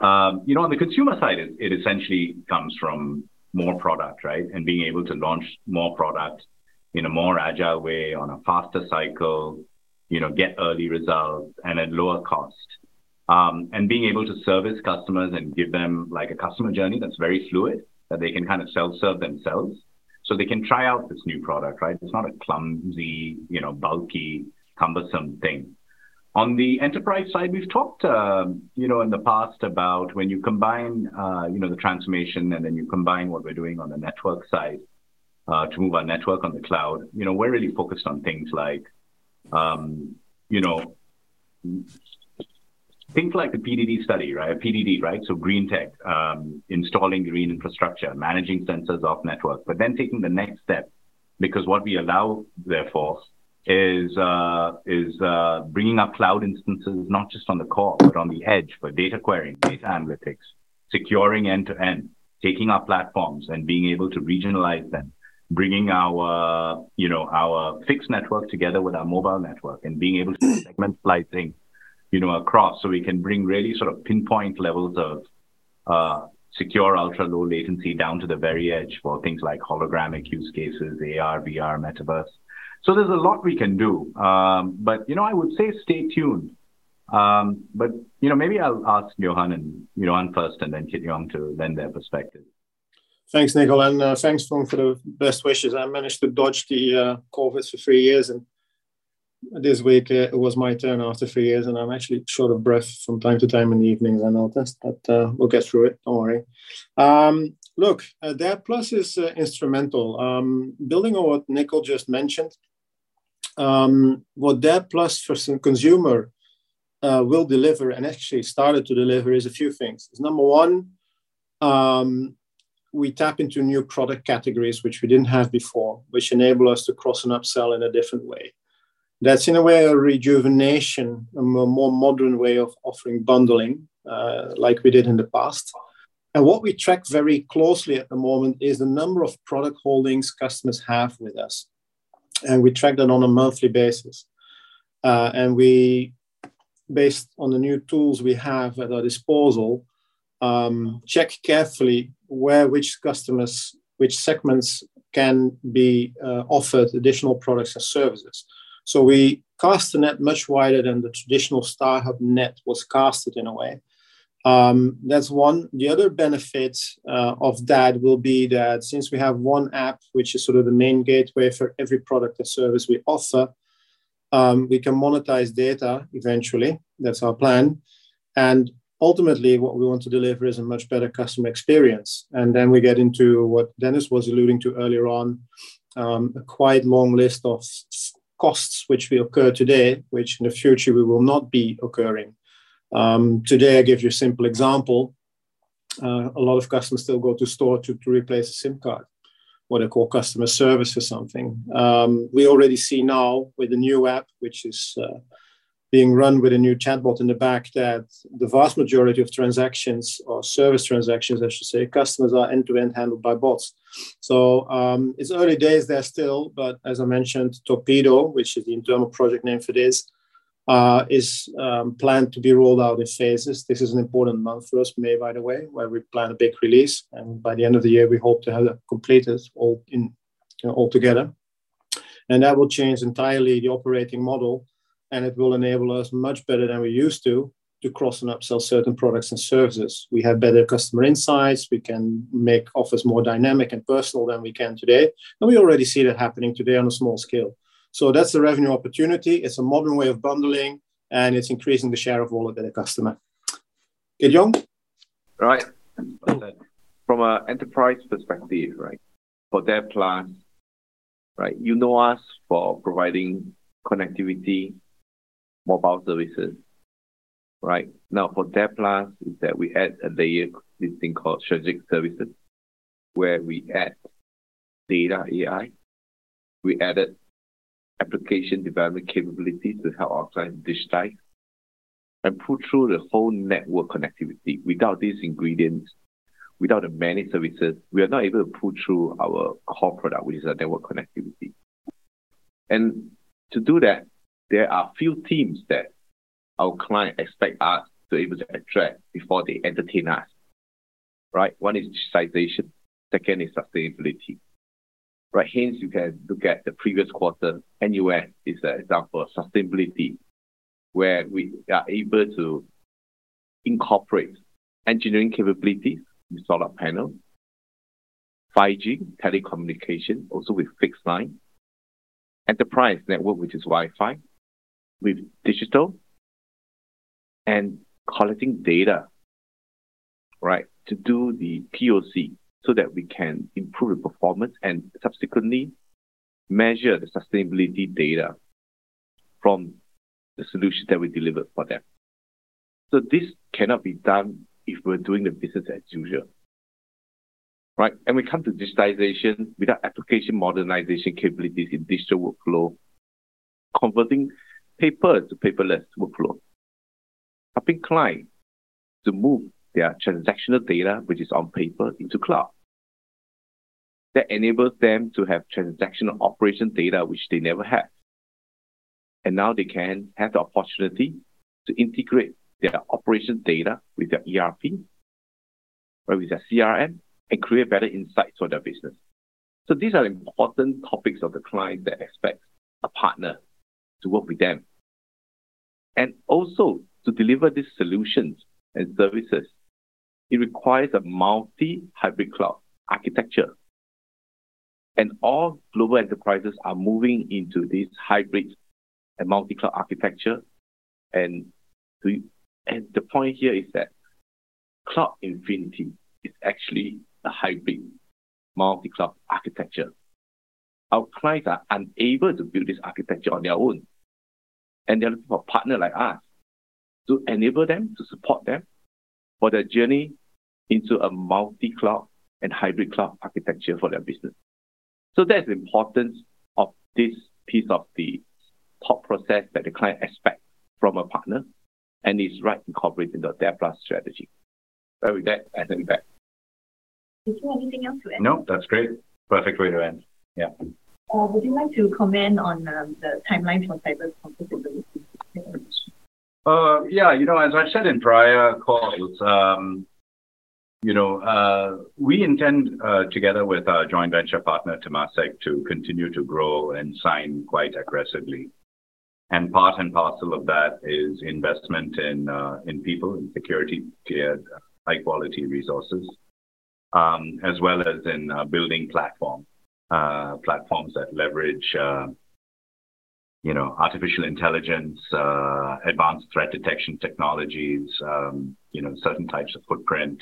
you know, on the consumer side, it essentially comes from more product, right? Being able to launch more product in a more agile way on a faster cycle, you know, get early results and at lower cost. Being able to service customers and give them like a customer journey that's very fluid, that they can kind of self-serve themselves, so they can try out this new product, right? It's not a clumsy, you know, bulky, cumbersome thing. On the enterprise side, we've talked, you know, in the past about when you combine, you know, the transformation and then you combine what we're doing on the network side, to move our network on the cloud. You know, we're really focused on things like, you know, things like the PDD study, right? PDD, right? Green tech, installing green infrastructure, managing sensors off network, but then taking the next step, because what we allow therefore is bringing up cloud instances not just on the core, but on the edge for data querying, data analytics, securing end-to-end, taking our platforms, and being able to regionalize them, bringing our, you know, our fixed network together with our mobile network and being able to segment slicing, you know, across, so we can bring really sort of pinpoint levels of secure, ultra-low latency down to the very edge for things like holographic use cases, AR, VR, metaverse. There's a lot we can do. Maybe I'll ask Johan and, you know, on first and then Kit Yong to lend their perspective. Thanks, Nikhil, and thanks, Paul, for the best wishes. I managed to dodge the COVID for three years, and this week it was my turn after three years, and I'm actually short of breath from time to time in the evenings, I notice. We'll get through it. Don't worry. Look, DARE+ is instrumental. Building on what Nikhil just mentioned, what DARE+ for some consumer will deliver and actually started to deliver is a few things. Number one, we tap into new product categories which we didn't have before, which enable us to cross and upsell in a different way. That is, in a way, a rejuvenation, a more modern way of offering bundling, like we did in the past. What we track very closely at the moment is the number of product holdings customers have with us, and we track that on a monthly basis. We, based on the new tools we have at our disposal, check carefully where which customers, which segments can be offered additional products and services. We cast the net much wider than the traditional StarHub net was cast in a way. That's one. The other benefit of that will be that since we have one app, which is sort of the main gateway for every product or service we offer, we can monetize data eventually. That's our plan. Ultimately, what we want to deliver is a much better customer experience. We get into what Dennis was alluding to earlier on, a quite long list of costs which will occur today, which in the future will not be occurring. Today, I give you a simple example. A lot of customers still go to stores to replace a SIM card or to call customer service for something. We already see now with the new app, which is being run with a new chatbot in the back, that the vast majority of transactions or service transactions, I should say, customers are end-to-end handled by bots. It's early days there still, but as I mentioned, Torpedo, which is the internal project name for this, is planned to be rolled out in phases. This is an important month for us, May, by the way, where we plan a big release. By the end of the year, we hope to have that completed all in, you know, all together. That will change entirely the operating model, and it will enable us much better than we used to cross and upsell certain products and services. We have better customer insights. We can make offers more dynamic and personal than we can today, and we already see that happening today on a small scale. That's the revenue opportunity. It's a modern way of bundling, and it's increasing the share of wallet per customer. Kit Yong? Right. From an enterprise perspective, right, for DARE+, right, you know us for providing connectivity, mobile services, right? Now, for DARE+ is that we add a layer, this thing called strategic services, where we add data, AI. We added application development capabilities to help our clients digitize and pull through the whole network connectivity. Without these ingredients, without the managed services, we are not able to pull through our core product, which is a network connectivity. To do that, there are a few themes that our clients expect us to be able to address before they entertain us, right? One is digitization, second is sustainability, right? You can look at the previous quarter, NUS is an example of sustainability, where we are able to incorporate engineering capabilities with solar panels, 5G telecommunications also with fixed line, enterprise network, which is Wi-Fi, with digital and collecting data, right? To do the POC so that we can improve the performance and subsequently measure the sustainability data from the solution that we delivered for them. This cannot be done if we're doing the business-as-usual, right? We come to digitization without application modernization capabilities in digital workflow, converting paper to paperless workflow. Helping client to move their transactional data which is on paper into cloud. That enables them to have transactional operation data which they never had. Now they can have the opportunity to integrate their operation data with their ERP or with their CRM and create better insights for their business. These are important topics of the client that expects a partner to work with them. Also, to deliver these solutions and services, it requires a multi-hybrid cloud architecture. All global enterprises are moving into this hybrid and multi-cloud architecture. The point here is that Cloud Infinity is actually a hybrid multi-cloud architecture. Our clients are unable to build this architecture on their own. They're looking for a partner like us to enable them, to support them for their journey into a multi-cloud and hybrid cloud architecture for their business. That's the importance of this piece of the thought process that the client expect from a partner and is right incorporated into our DARE+ strategy. With that, I hand back. Do you have anything else to add? No, that's great. Perfect way to end. Yeah. Would you like to comment on the timeline for cyber [composability], Dennis? Yeah. You know, as I've said in prior calls, you know, we intend, together with our joint venture partner, Temasek, to continue to grow Ensign quite aggressively. Part and parcel of that is investment in people, in security cleared high-quality resources, as well as in building platform, platforms that leverage, you know, artificial intelligence, advanced threat detection technologies, you know, certain types of footprint.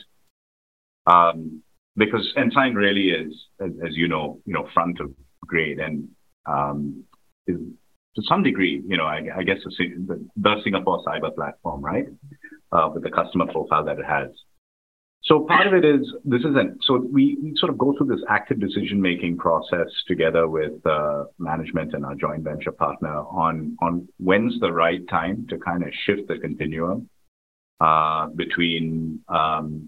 Ensign really is as you know, you know, front of grade and is to some degree, you know, the Singapore cyber platform, right? With the customer profile that it has. We sort of go through this active decision-making process together with management and our joint venture partner on when's the right time to kind of shift the continuum between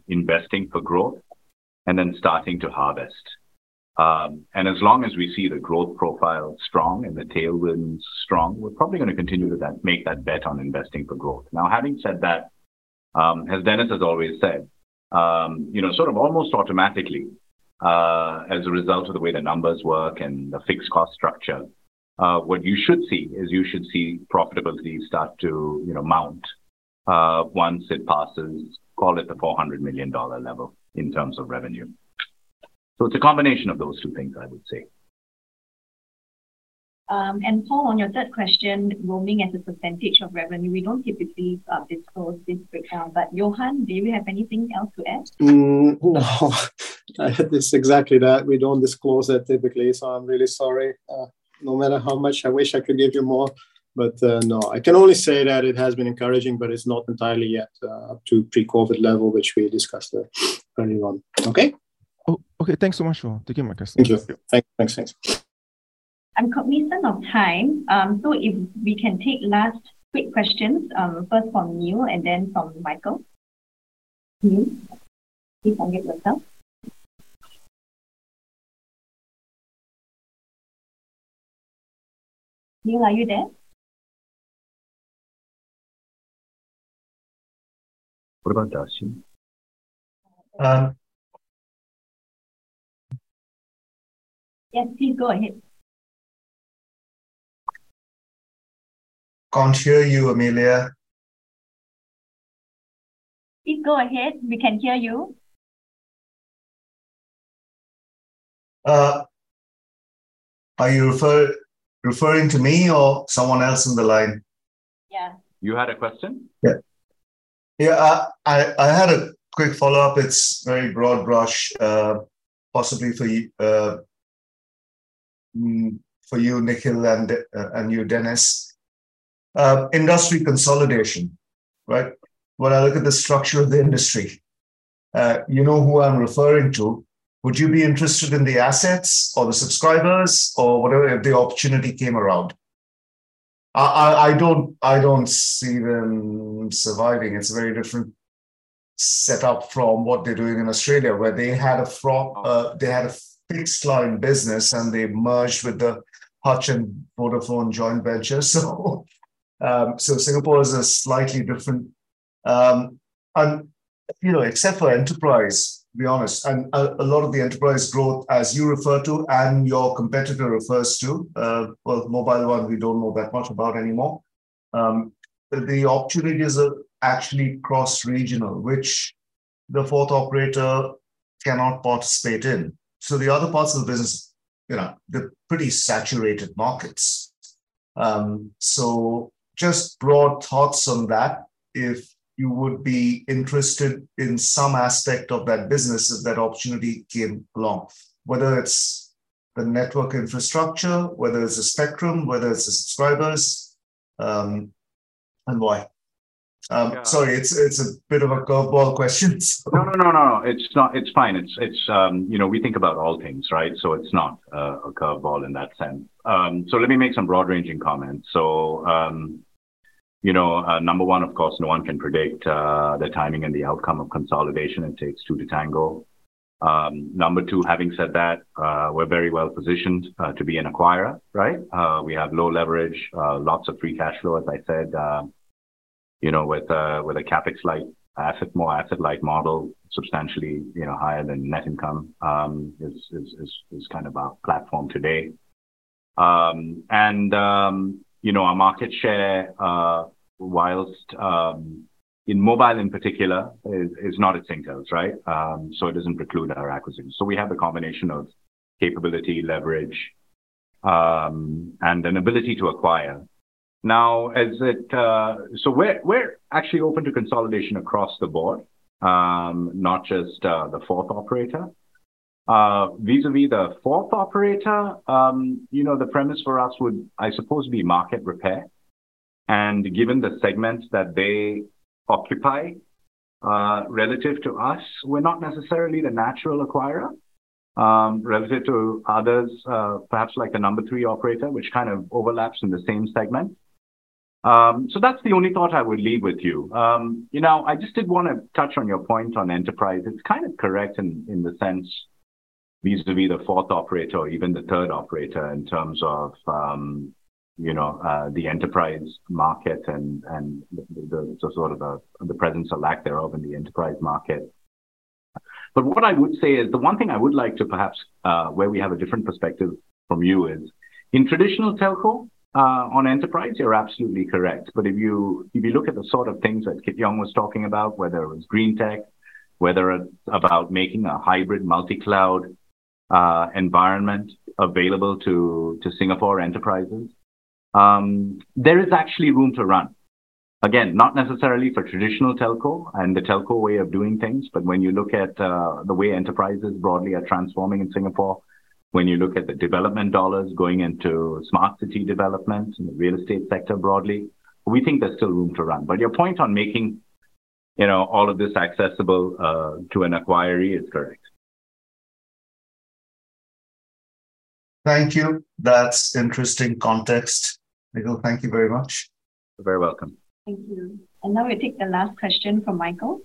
investing for growth and then starting to harvest. And as long as we see the growth profile strong and the tailwinds strong, we're probably gonna continue to that, make that bet on investing for growth. Now, having said that, as Dennis has always said, you know, sort of almost automatically, as a result of the way the numbers work and the fixed cost structure, what you should see is you should see profitability start to, you know, mount once it passes, call it the 400 million dollar level in terms of revenue. It's a combination of those two things, I would say. Paul, on your third question, roaming as a % of revenue, we don't typically disclose this breakdown. Johan, do you have anything else to add? No. It's exactly that. We don't disclose that typically. I'm really sorry. No matter how much I wish I could give you more, but, no. I can only say that it has been encouraging, but it's not entirely yet, up to pre-COVID level, which we discussed, earlier on. Okay? Oh, okay. Thanks so much, Johan. Thank you, Marcus. Thank you. Thanks. Thanks. Thanks. I'm cognizant of time. If we can take last quick questions, first from Neil and then from Michael. Neil, please unmute yourself. Neil, are you there? What about now, Shane? Yes, please go ahead. Can't hear you, Amelia. Please go ahead. We can hear you. Are you referring to me or someone else on the line? Yeah. You had a question? Yeah. Yeah. I had a quick follow-up. It's very broad brush, possibly for you, Nikhil, and you, Dennis. Industry consolidation, right? When I look at the structure of the industry, you know who I'm referring to. Would you be interested in the assets or the subscribers or whatever, if the opportunity came around? I don't see them surviving. It's a very different setup from what they're doing in Australia, where they had a fixed line business and they merged with the Hutchison Vodafone joint venture. Singapore is a slightly different, and, you know, except for enterprise, to be honest, and a lot of the enterprise growth, as you refer to and your competitor refers to, well, MobileOne, we don't know that much about anymore. The opportunities are actually cross regional, which the fourth operator cannot participate in. The other parts of the business, you know, they're pretty saturated markets. Just broad thoughts on that, if you would be interested in some aspect of that business if that opportunity came along, whether it's the network infrastructure, whether it's the spectrum, whether it's the subscribers, and why? Yeah. Sorry, it's a bit of a curveball questions. No, no, no, it's not. It's fine. It's, you know, we think about all things, right? It's not a curveball in that sense. Let me make some broad ranging comments. You know, number one, of course, no one can predict the timing and the outcome of consolidation. It takes two to tango. Number two, having said that, we're very well positioned to be an acquirer, right? We have low leverage, lots of free cash flow, as I said. You know, with a CapEx-like asset, more asset-light model, substantially, you know, higher than net income, is kind of our platform today. You know, our market share, whilst in mobile in particular is not at Singtel's, right? It doesn't preclude our acquisitions. We have a combination of capability, leverage, and an ability to acquire. Now, is it, we're actually open to consolidation across the board, not just the fourth operator. Vis-à-vis the fourth operator, you know, the premise for us would, I suppose, be market repair. Given the segments that they occupy, relative to us, we're not necessarily the natural acquirer, relative to others, perhaps like the number three operator, which kind of overlaps in the same segment. That's the only thought I would leave with you. You know, I just did wanna touch on your point on enterprise. It's kind of correct in the sense vis-à-vis the fourth operator or even the third operator in terms of, you know, the enterprise market and the sort of the presence or lack thereof in the enterprise market. What I would say is, the one thing I would like to perhaps, where we have a different perspective from you is in traditional telco on enterprise, you're absolutely correct. If you look at the sort of things that Kit Yong was talking about, whether it was green tech, whether it's about making a hybrid multi-cloud environment available to Singapore enterprises, there is actually room to run. Not necessarily for traditional telco and the telco way of doing things, when you look at the way enterprises broadly are transforming in Singapore, when you look at the development dollars going into smart city development and the real estate sector broadly, we think there's still room to run. Your point on making, you know, all of this accessible to an acquiree is correct. Thank you. That's interesting context. Nikhil, thank you very much. You're very welcome. Thank you. Now we take the last question from Michael.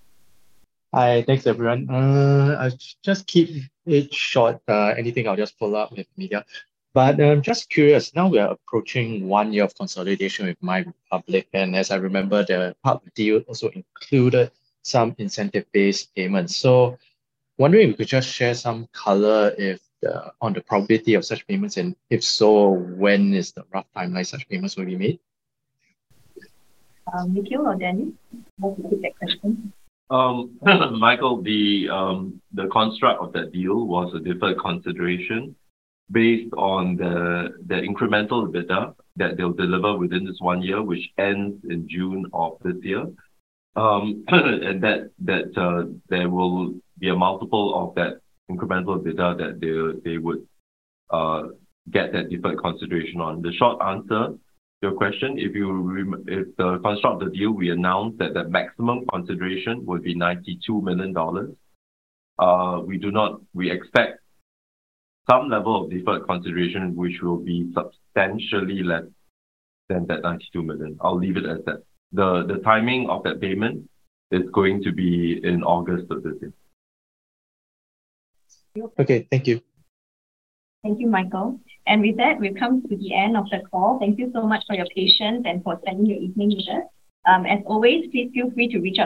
Hi. Thanks, everyone. I'll just keep it short. Anything I'll just follow up with Mia. I'm just curious, now we are approaching one year of consolidation with MyRepublic, and as I remember, the part of the deal also included some incentive-based payments. Wondering if you could just share some color on the probability of such payments, and if so, when is the rough timeline such payments will be made? Nikhil or Dennis, who wants to take that question? Michael, the construct of that deal was a deferred consideration based on the incremental EBITDA that they'll deliver within this one year, which ends in June of this year. There will be a multiple of that incremental EBITDA that they would get that deferred consideration on. The short answer to your question, if the construct of the deal, we announced that the maximum consideration would be 92 million dollars. We expect some level of deferred consideration, which will be substantially less than that 92 million. I'll leave it at that. The timing of that payment is going to be in August of this year. Okay. Okay. Thank you. Thank you, Michael. With that, we've come to the end of the call. Thank you so much for your patience and for spending your evening with us. As always, please feel free.